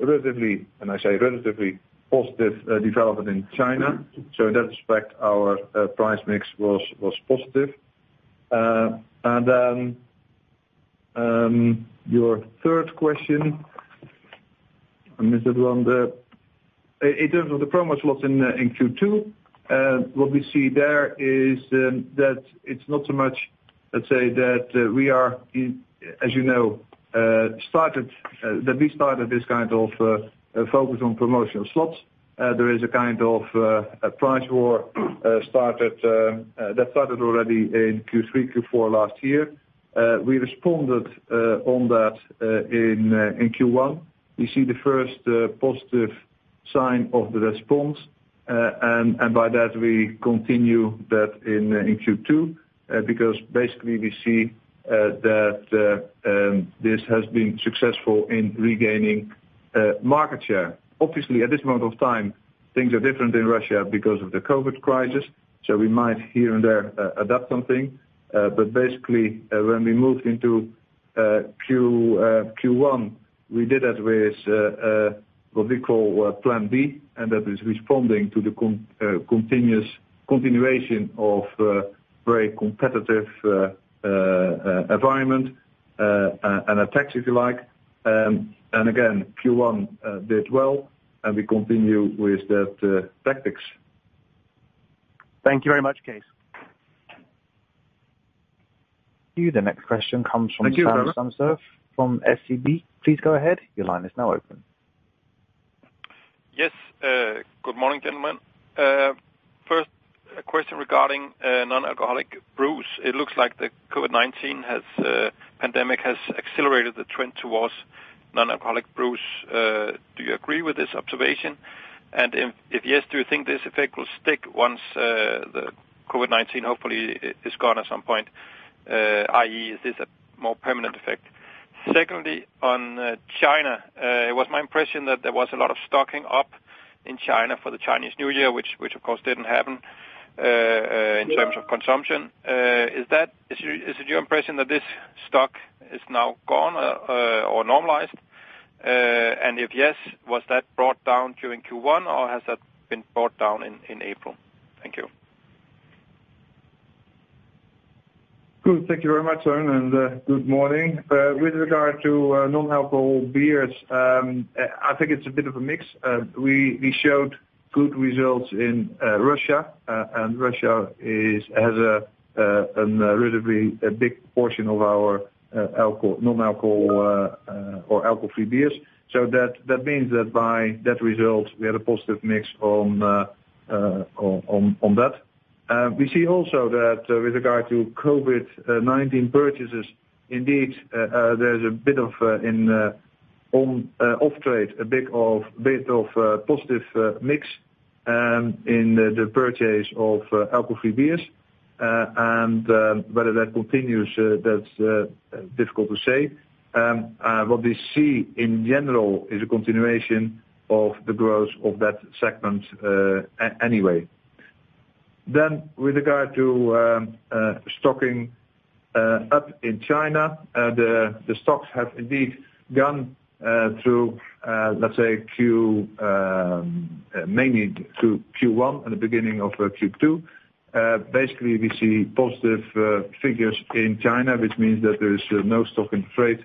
relatively, and I say relatively, positive development in China. In that respect, our price mix was positive. Your third question, I missed that one. In terms of the promo slots in Q2, what we see there is that it's not so much, let's say that we are, as you know, that we started this kind of focus on promotional slots. There is a kind of a price war that started already in Q3, Q4 last year. We responded on that in Q1. We see the first positive sign of the response, and by that we continue that in Q2, because basically we see that this has been successful in regaining market share. Obviously at this moment of time, things are different in Russia because of the COVID crisis, so we might here and there adapt something. Basically, when we moved into Q1, we did that with what we call Plan B, and that is responding to the continuation of very competitive environment, and attacks, if you like. Again, Q1 did well, and we continue with that tactics. Thank you very much, Cees. Thank you. The next question comes from Søren Samsøe from SEB. Please go ahead. Your line is now open. Yes. Good morning, gentlemen. First, a question regarding non-alcoholic brews. It looks like the COVID-19 pandemic has accelerated the trend towards non-alcoholic brews. Do you agree with this observation? If yes, do you think this effect will stick once the COVID-19 hopefully is gone at some point, i.e., is this a more permanent effect? Secondly, on China, it was my impression that there was a lot of stocking up in China for the Chinese New Year, which of course didn't happen in terms of consumption. Is it your impression that this stock is now gone or normalized? If yes, was that brought down during Q1 or has that been brought down in April? Thank you. Good. Thank you very much, Søren, good morning. With regard to non-alcohol beers, I think it's a bit of a mix. We showed good results in Russia has a relatively big portion of our non-alcohol or alcohol-free beers. That means that by that result, we had a positive mix on that. We see also that with regard to COVID-19 purchases, indeed, there's a bit of, in off-trade, a bit of positive mix in the purchase of alcohol-free beers. Whether that continues, that's difficult to say. What we see in general is a continuation of the growth of that segment anyway. With regard to stocking up in China, the stocks have indeed gone through, let's say, mainly through Q1 and the beginning of Q2. We see positive figures in China, which means that there is no stock in trade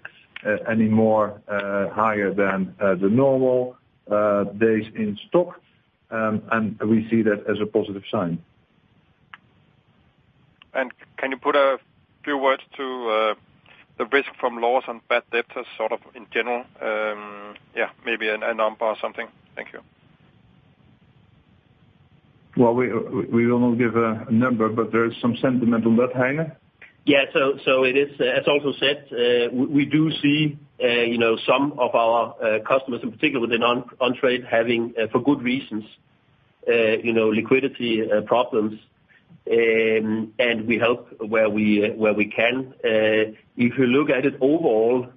anymore higher than the normal days in stock, and we see that as a positive sign. Can you put a few words to the risk from loss on bad debtors, sort of, in general? Yeah, maybe a number or something. Thank you. Well, we will not give a number, but there is some sentiment on that. Heine? Yeah. As also said, we do see some of our customers, in particular within on-trade having, for good reasons, liquidity problems, and we help where we can. If you look at it overall,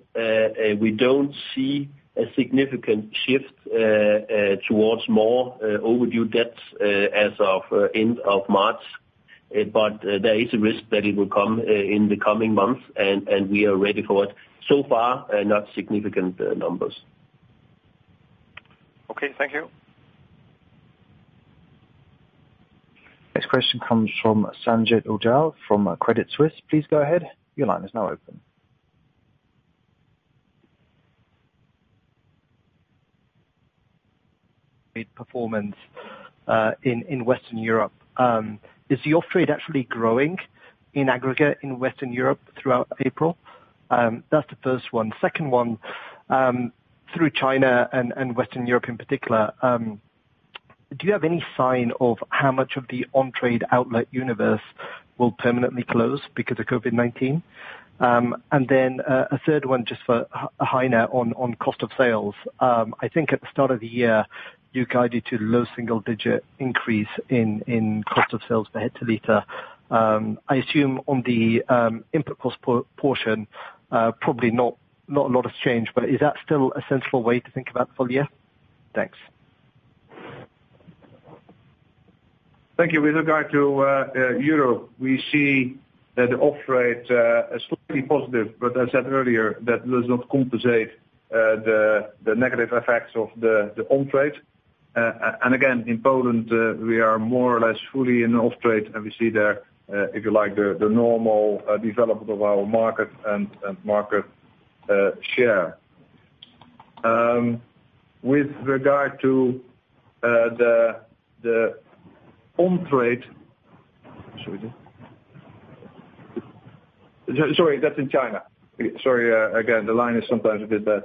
we don't see a significant shift towards more overdue debts as of end of March. There is a risk that it will come in the coming months, and we are ready for it. So far, not significant numbers. Okay, thank you. Next question comes from Sanjeet Aujla from Credit Suisse. Please go ahead. Your line is now open. Performance in Western Europe. Is the off-trade actually growing in aggregate in Western Europe throughout April? That's the first one. Second one, through China and Western Europe in particular, do you have any sign of how much of the on-trade outlet universe will permanently close because of COVID-19? A third one just for Heine on cost of sales. I think at the start of the year, you guided to low single-digit increase in cost of sales per hectoliter. I assume on the input cost portion, probably not a lot has changed, but is that still a central way to think about the full year? Thanks. Thank you. With regard to Europe, we see that the off-trade is slightly positive, as I said earlier, that does not compensate the negative effects of the on-trade. Again, in Poland, we are more or less fully in off-trade, and we see there, if you like, the normal development of our market and market share. Sorry, that's in China. Sorry again, the line is sometimes a bit bad.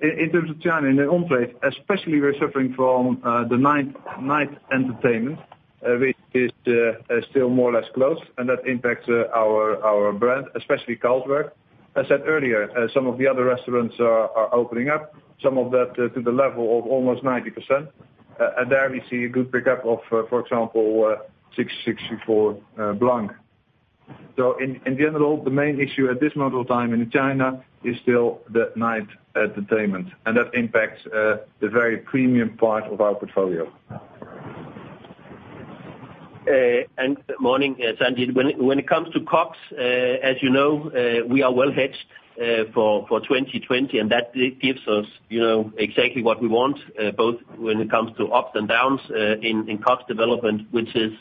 In terms of China, in the on-trade, especially, we're suffering from the night entertainment, which is still more or less closed, that impacts our brand, especially Carlsberg. I said earlier, some of the other restaurants are opening up, some of that to the level of almost 90%. There we see a good pickup of, for example, 1664 Blanc. In general, the main issue at this moment of time in China is still the night entertainment, and that impacts the very premium part of our portfolio. Good morning, Sanjeet. When it comes to COGS, as you know, we are well hedged for 2020, and that gives us exactly what we want, both when it comes to ups and downs in COGS development, which is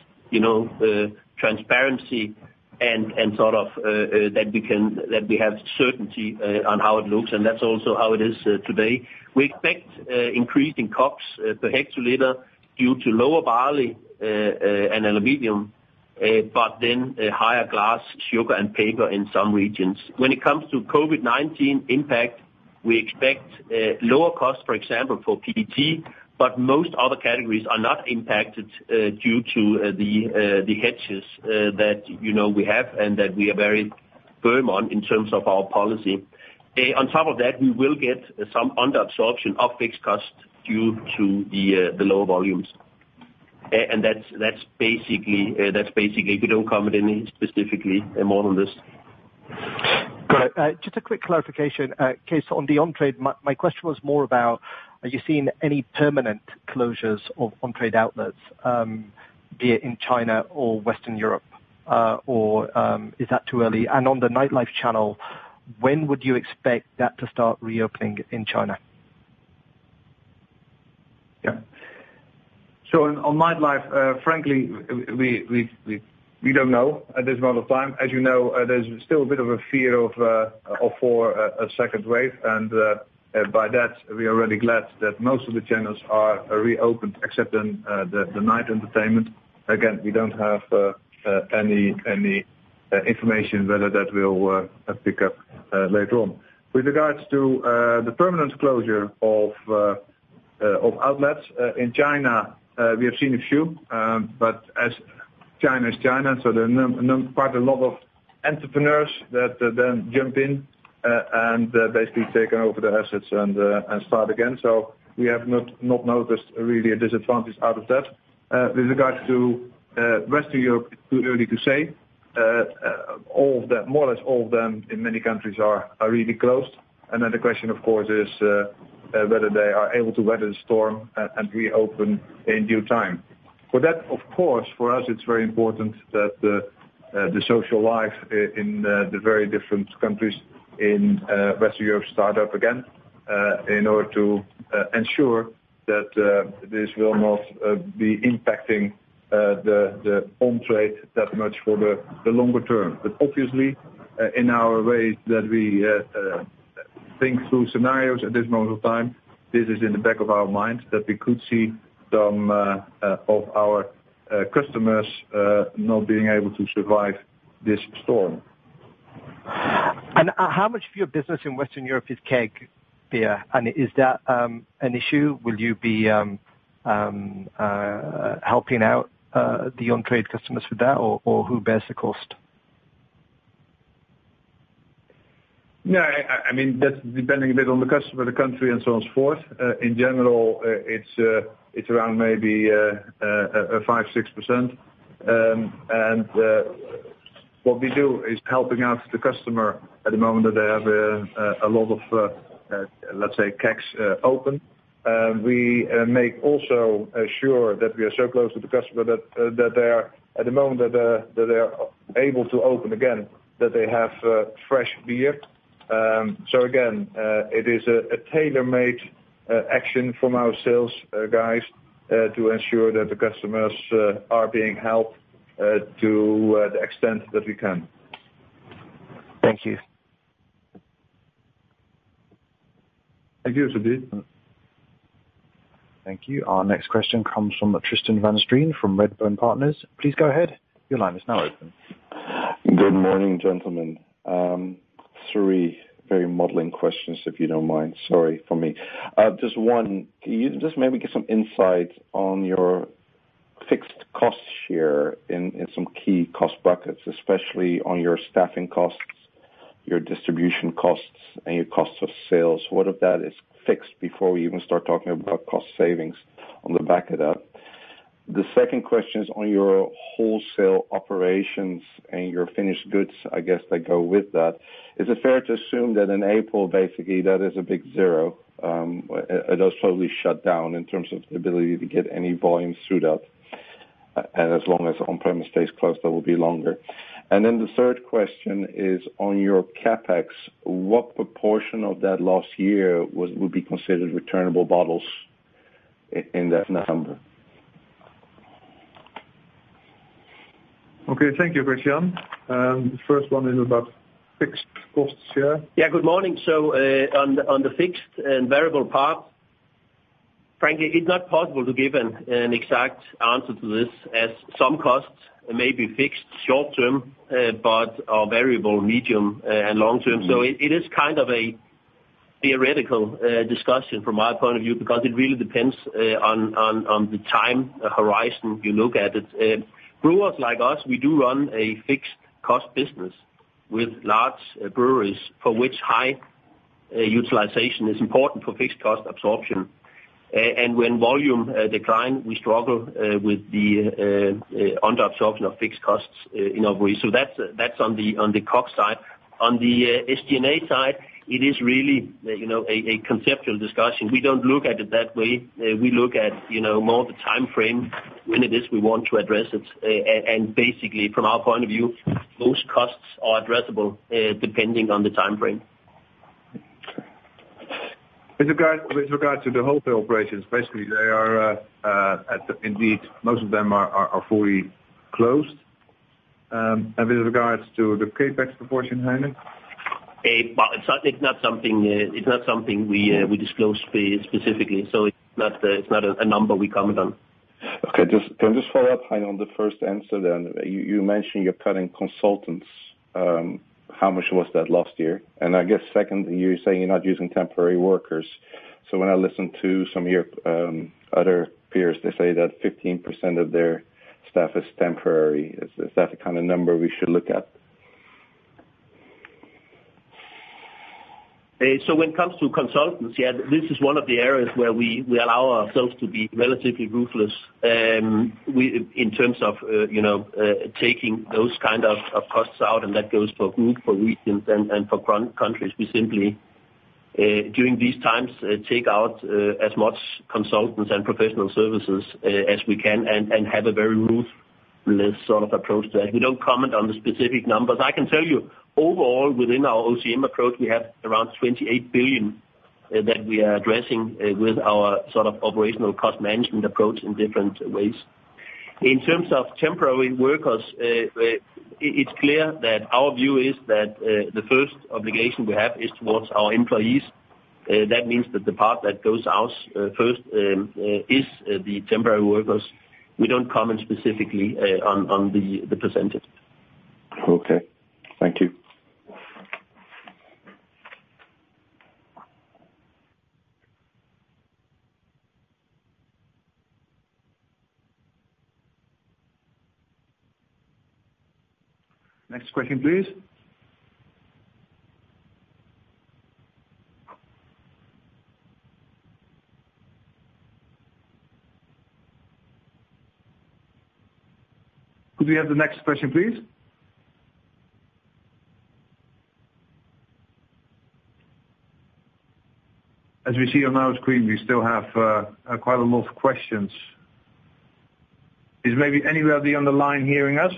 transparency and sort of that we have certainty on how it looks, and that's also how it is today. We expect increase in COGS per hectoliter due to lower barley and aluminum. Then higher glass, sugar, and paper in some regions. When it comes to COVID-19 impact, we expect lower costs, for example, for PET, but most other categories are not impacted due to the hedges that we have and that we are very firm on in terms of our policy. On top of that, we will get some under-absorption of fixed costs due to the lower volumes. That's basically, we don't comment any specifically more on this. Got it. Just a quick clarification, Cees, on the on-trade. My question was more about, are you seeing any permanent closures of on-trade outlets, be it in China or Western Europe? Or is that too early? On the nightlife channel, when would you expect that to start reopening in China? Yeah. On nightlife, frankly, we don't know at this moment of time. As you know, there's still a bit of a fear for a second wave, and by that, we are really glad that most of the channels are reopened except the night entertainment. Again, we don't have any information whether that will pick up later on. With regards to the permanent closure of outlets in China, we have seen a few, but as China is China, so there are quite a lot of entrepreneurs that then jump in and basically take over the assets and start again. We have not noticed really a disadvantage out of that. With regards to Western Europe, it's too early to say. More or less all of them in many countries are really closed. The question, of course, is whether they are able to weather the storm and reopen in due time. For that, of course, for us it's very important that the social life in the very different countries in Western Europe start up again in order to ensure that this will not be impacting the on-trade that much for the longer term. Obviously, in our way that we think through scenarios at this moment of time, this is in the back of our minds, that we could see some of our customers not being able to survive this storm. How much of your business in Western Europe is keg beer, and is that an issue? Will you be helping out the on-trade customers with that, or who bears the cost? Yeah. That's depending a bit on the customer, the country, and so on, so forth. In general, it's around maybe 5%-6%. What we do is helping out the customer at the moment that they have a lot of, let's say, kegs open. We make also sure that we are so close to the customer that they are, at the moment, that they are able to open again, that they have fresh beer. Again, it is a tailor-made action from our sales guys to ensure that the customers are being helped to the extent that we can. Thank you. Thank you, Sanjeet. Thank you. Our next question comes from Tristan van Strien from Redburn Partners. Please go ahead. Your line is now open. Good morning, gentlemen. Three very modeling questions, if you don't mind. Sorry for me. Just one, can you just maybe give some insight on your fixed cost share in some key cost brackets, especially on your staffing costs, your distribution costs, and your cost of sales? What of that is fixed before we even start talking about cost savings on the back of that? The second question is on your wholesale operations and your finished goods, I guess, that go with that. Is it fair to assume that in April, basically, that is a big zero? It does totally shut down in terms of the ability to get any volume through that. As long as on-premise stays closed, that will be longer. The third question is on your CapEx, what proportion of that last year would be considered returnable bottles in that number? Okay. Thank you, Tristan. The first one is about fixed cost share. Yeah. Good morning. On the fixed and variable part, frankly, it's not possible to give an exact answer to this, as some costs may be fixed short term, but are variable medium and long term. It is kind of a theoretical discussion from my point of view, because it really depends on the time horizon you look at it. Brewers like us, we do run a fixed cost business with large breweries for which high utilization is important for fixed cost absorption. When volume decline, we struggle with the under-absorption of fixed costs in our brewery. That's on the COGS side. On the SG&A side, it is really a conceptual discussion. We don't look at it that way. We look at more the time frame, when it is we want to address it. Basically, from our point of view, most costs are addressable depending on the time frame. With regard to the wholesale operations, basically they are indeed, most of them are fully closed. With regards to the CapEx proportion, Heine. It's not something we disclose specifically. It's not a number we comment on. Okay. Can I just follow up, Heine, on the first answer. You mentioned you're cutting consultants. How much was that last year? I guess second, you're saying you're not using temporary workers. When I listen to some of your other peers, they say that 15% of their staff is temporary. Is that the kind of number we should look at? When it comes to consultants, yeah, this is one of the areas where we allow ourselves to be relatively ruthless. In terms of taking those kind of costs out. That goes for group, for regions, and for countries. We simply, during these times, take out as much consultants and professional services as we can and have a very ruthless sort of approach to that. We don't comment on the specific numbers. I can tell you, overall, within our OCM approach, we have around 28 billion that we are addressing with our sort of operational cost management approach in different ways. In terms of temporary workers, it's clear that our view is that, the first obligation we have is towards our employees. That means that the part that goes out first is the temporary workers. We don't comment specifically on the percentage. Okay. Thank you. Next question, please. Could we have the next question, please? As we see on our screen, we still have quite a lot of questions. Is maybe anybody on the line hearing us?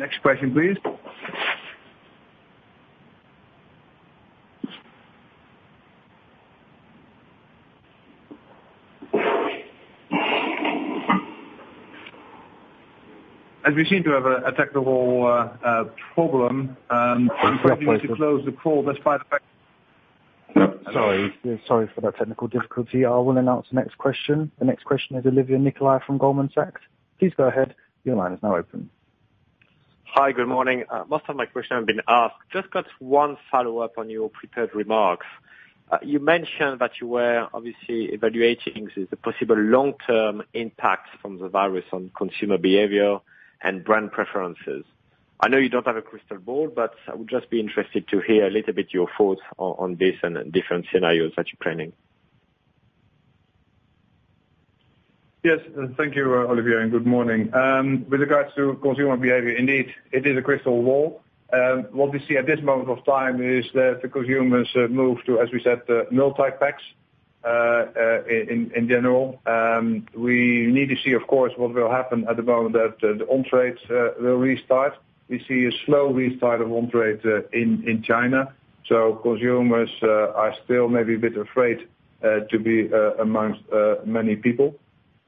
Next question, please. As we seem to have a technical problem. We need to close the call despite the fact. Sorry for that technical difficulty. I will announce the next question. The next question is Olivier Nicolaï from Goldman Sachs. Please go ahead. Your line is now open. Hi, good morning. Most of my question have been asked. Just got one follow-up on your prepared remarks. You mentioned that you were obviously evaluating the possible long-term impacts from the virus on consumer behavior and brand preferences. I know you don't have a crystal ball, but I would just be interested to hear a little bit your thoughts on this and different scenarios that you're planning. Yes. Thank you, Olivier. Good morning. With regards to consumer behavior, indeed, it is a crystal ball. What we see at this moment of time is that the consumers move to, as we said, multi-packs, in general. We need to see, of course, what will happen at the moment that the on-trades will restart. We see a slow restart of on-trade in China. Consumers are still maybe a bit afraid to be amongst many people.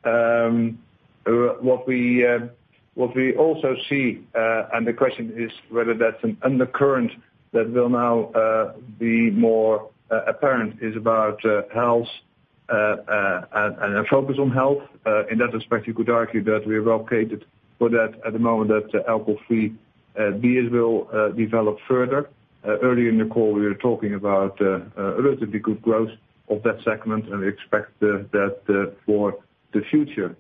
What we also see, and the question is whether that's an undercurrent that will now be more apparent, is about health, and a focus on health. In that respect, you could argue that we are well-catered for that at the moment that alcohol-free beers will develop further. Early in the call, we were talking about a relatively good growth of that segment, and we expect that for the future.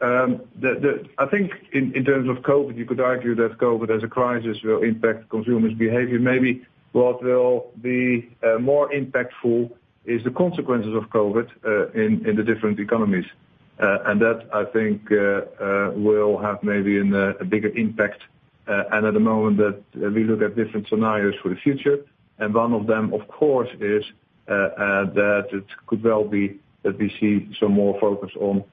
I think in terms of COVID, you could argue that COVID as a crisis will impact consumers' behavior. Maybe what will be more impactful is the consequences of COVID, in the different economies. That I think, will have maybe a bigger impact, and at the moment that we look at different scenarios for the future. One of them, of course, is that it could well be that we see some more focus on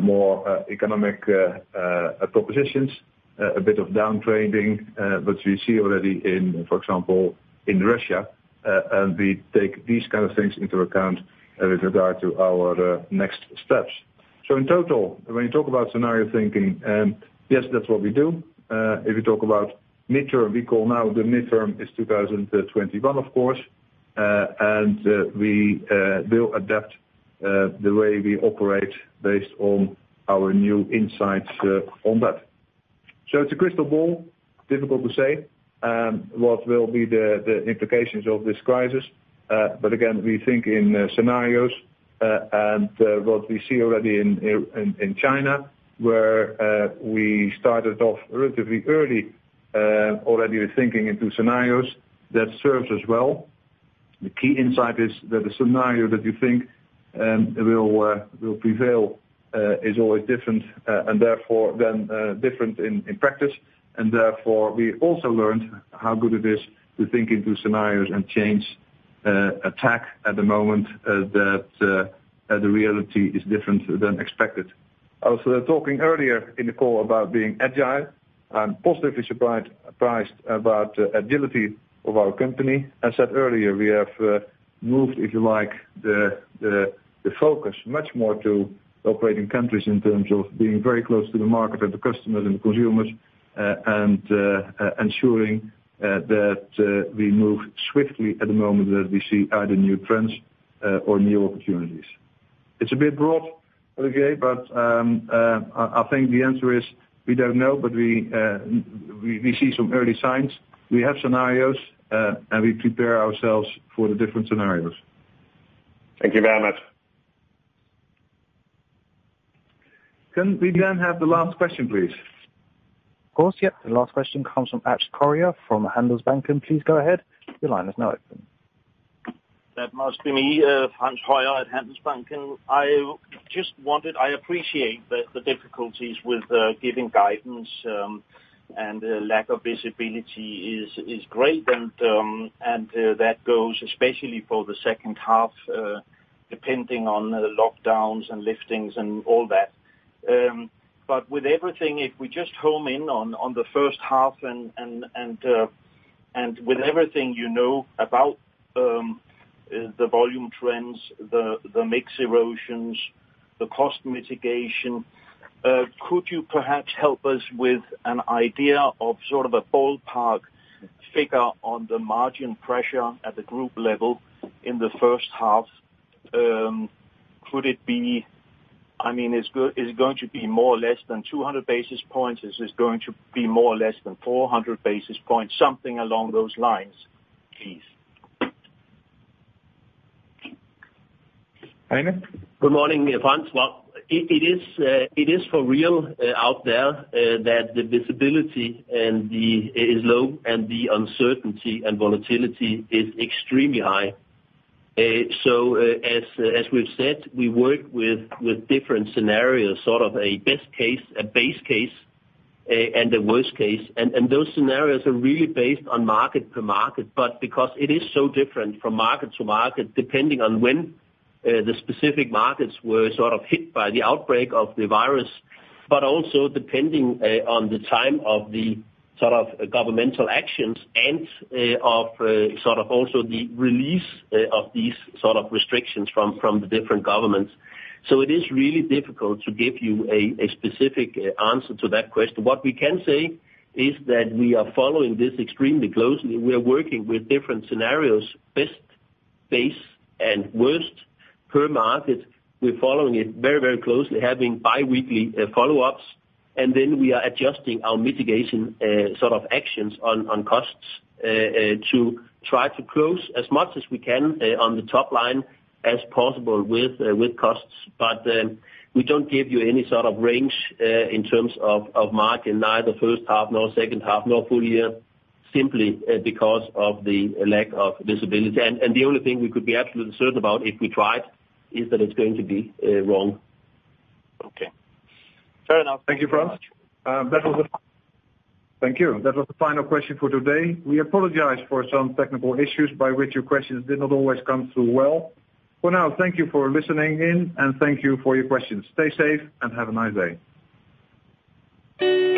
more economic propositions, a bit of downtrending, but we see already in, for example, in Russia, and we take these kind of things into account with regard to our next steps. In total, when you talk about scenario thinking, yes, that's what we do. If you talk about mid-term, we call now the mid-term is 2021, of course. We will adapt the way we operate based on our new insights on that. It's a crystal ball, difficult to say what will be the implications of this crisis. Again, we think in scenarios, and what we see already in China, where we started off relatively early, already thinking into scenarios that serves us well. The key insight is that the scenario that you think will prevail, is always different, and therefore different in practice. Therefore, we also learned how good it is to think into scenarios and change attack at the moment that the reality is different than expected. Also, talking earlier in the call about being agile. I'm positively surprised about the agility of our company. I said earlier, we have moved, if you like, the focus much more to operating countries in terms of being very close to the market and the customers and consumers, and ensuring that we move swiftly at the moment that we see either new trends or new opportunities. It's a bit broad, Olivier, but I think the answer is we don't know, but we see some early signs. We have scenarios, and we prepare ourselves for the different scenarios. Thank you very much. Can we then have the last question, please? Of course. Yep. The last question comes from Frans Høyer from Handelsbanken. Please go ahead. Your line is now open. That must be me, Frans Høyer at Handelsbanken. I appreciate the difficulties with giving guidance, and lack of visibility is great. That goes especially for the second half, depending on the lockdowns and liftings and all that. With everything, if we just home in on the first half and with everything you know about the volume trends, the mix erosions, the cost mitigation, could you perhaps help us with an idea of sort of a ballpark figure on the margin pressure at the group level in the first half? Is it going to be more or less than 200 basis points? Is it going to be more or less than 400 basis points? Something along those lines, please. Heine? Good morning, Frans. Well, it is for real out there that the visibility is low and the uncertainty and volatility is extremely high. As we've said, we work with different scenarios, sort of a best case, a base case, and a worst case. Those scenarios are really based on market per market. Because it is so different from market to market, depending on when the specific markets were sort of hit by the outbreak of the virus, but also depending on the time of the governmental actions and of sort of also the release of these sort of restrictions from the different governments. It is really difficult to give you a specific answer to that question. What we can say is that we are following this extremely closely. We are working with different scenarios, best, base, and worst per market. We're following it very closely, having biweekly follow-ups. We are adjusting our mitigation actions on costs to try to close as much as we can on the top line as possible with costs. We don't give you any sort of range in terms of margin, neither first half, nor second half, nor full year, simply because of the lack of visibility. The only thing we could be absolutely certain about if we tried, is that it's going to be wrong. Okay. Fair enough. Thank you, Frans. Thank you. That was the final question for today. We apologize for some technical issues by which your questions did not always come through well. For now, thank you for listening in, and thank you for your questions. Stay safe and have a nice day.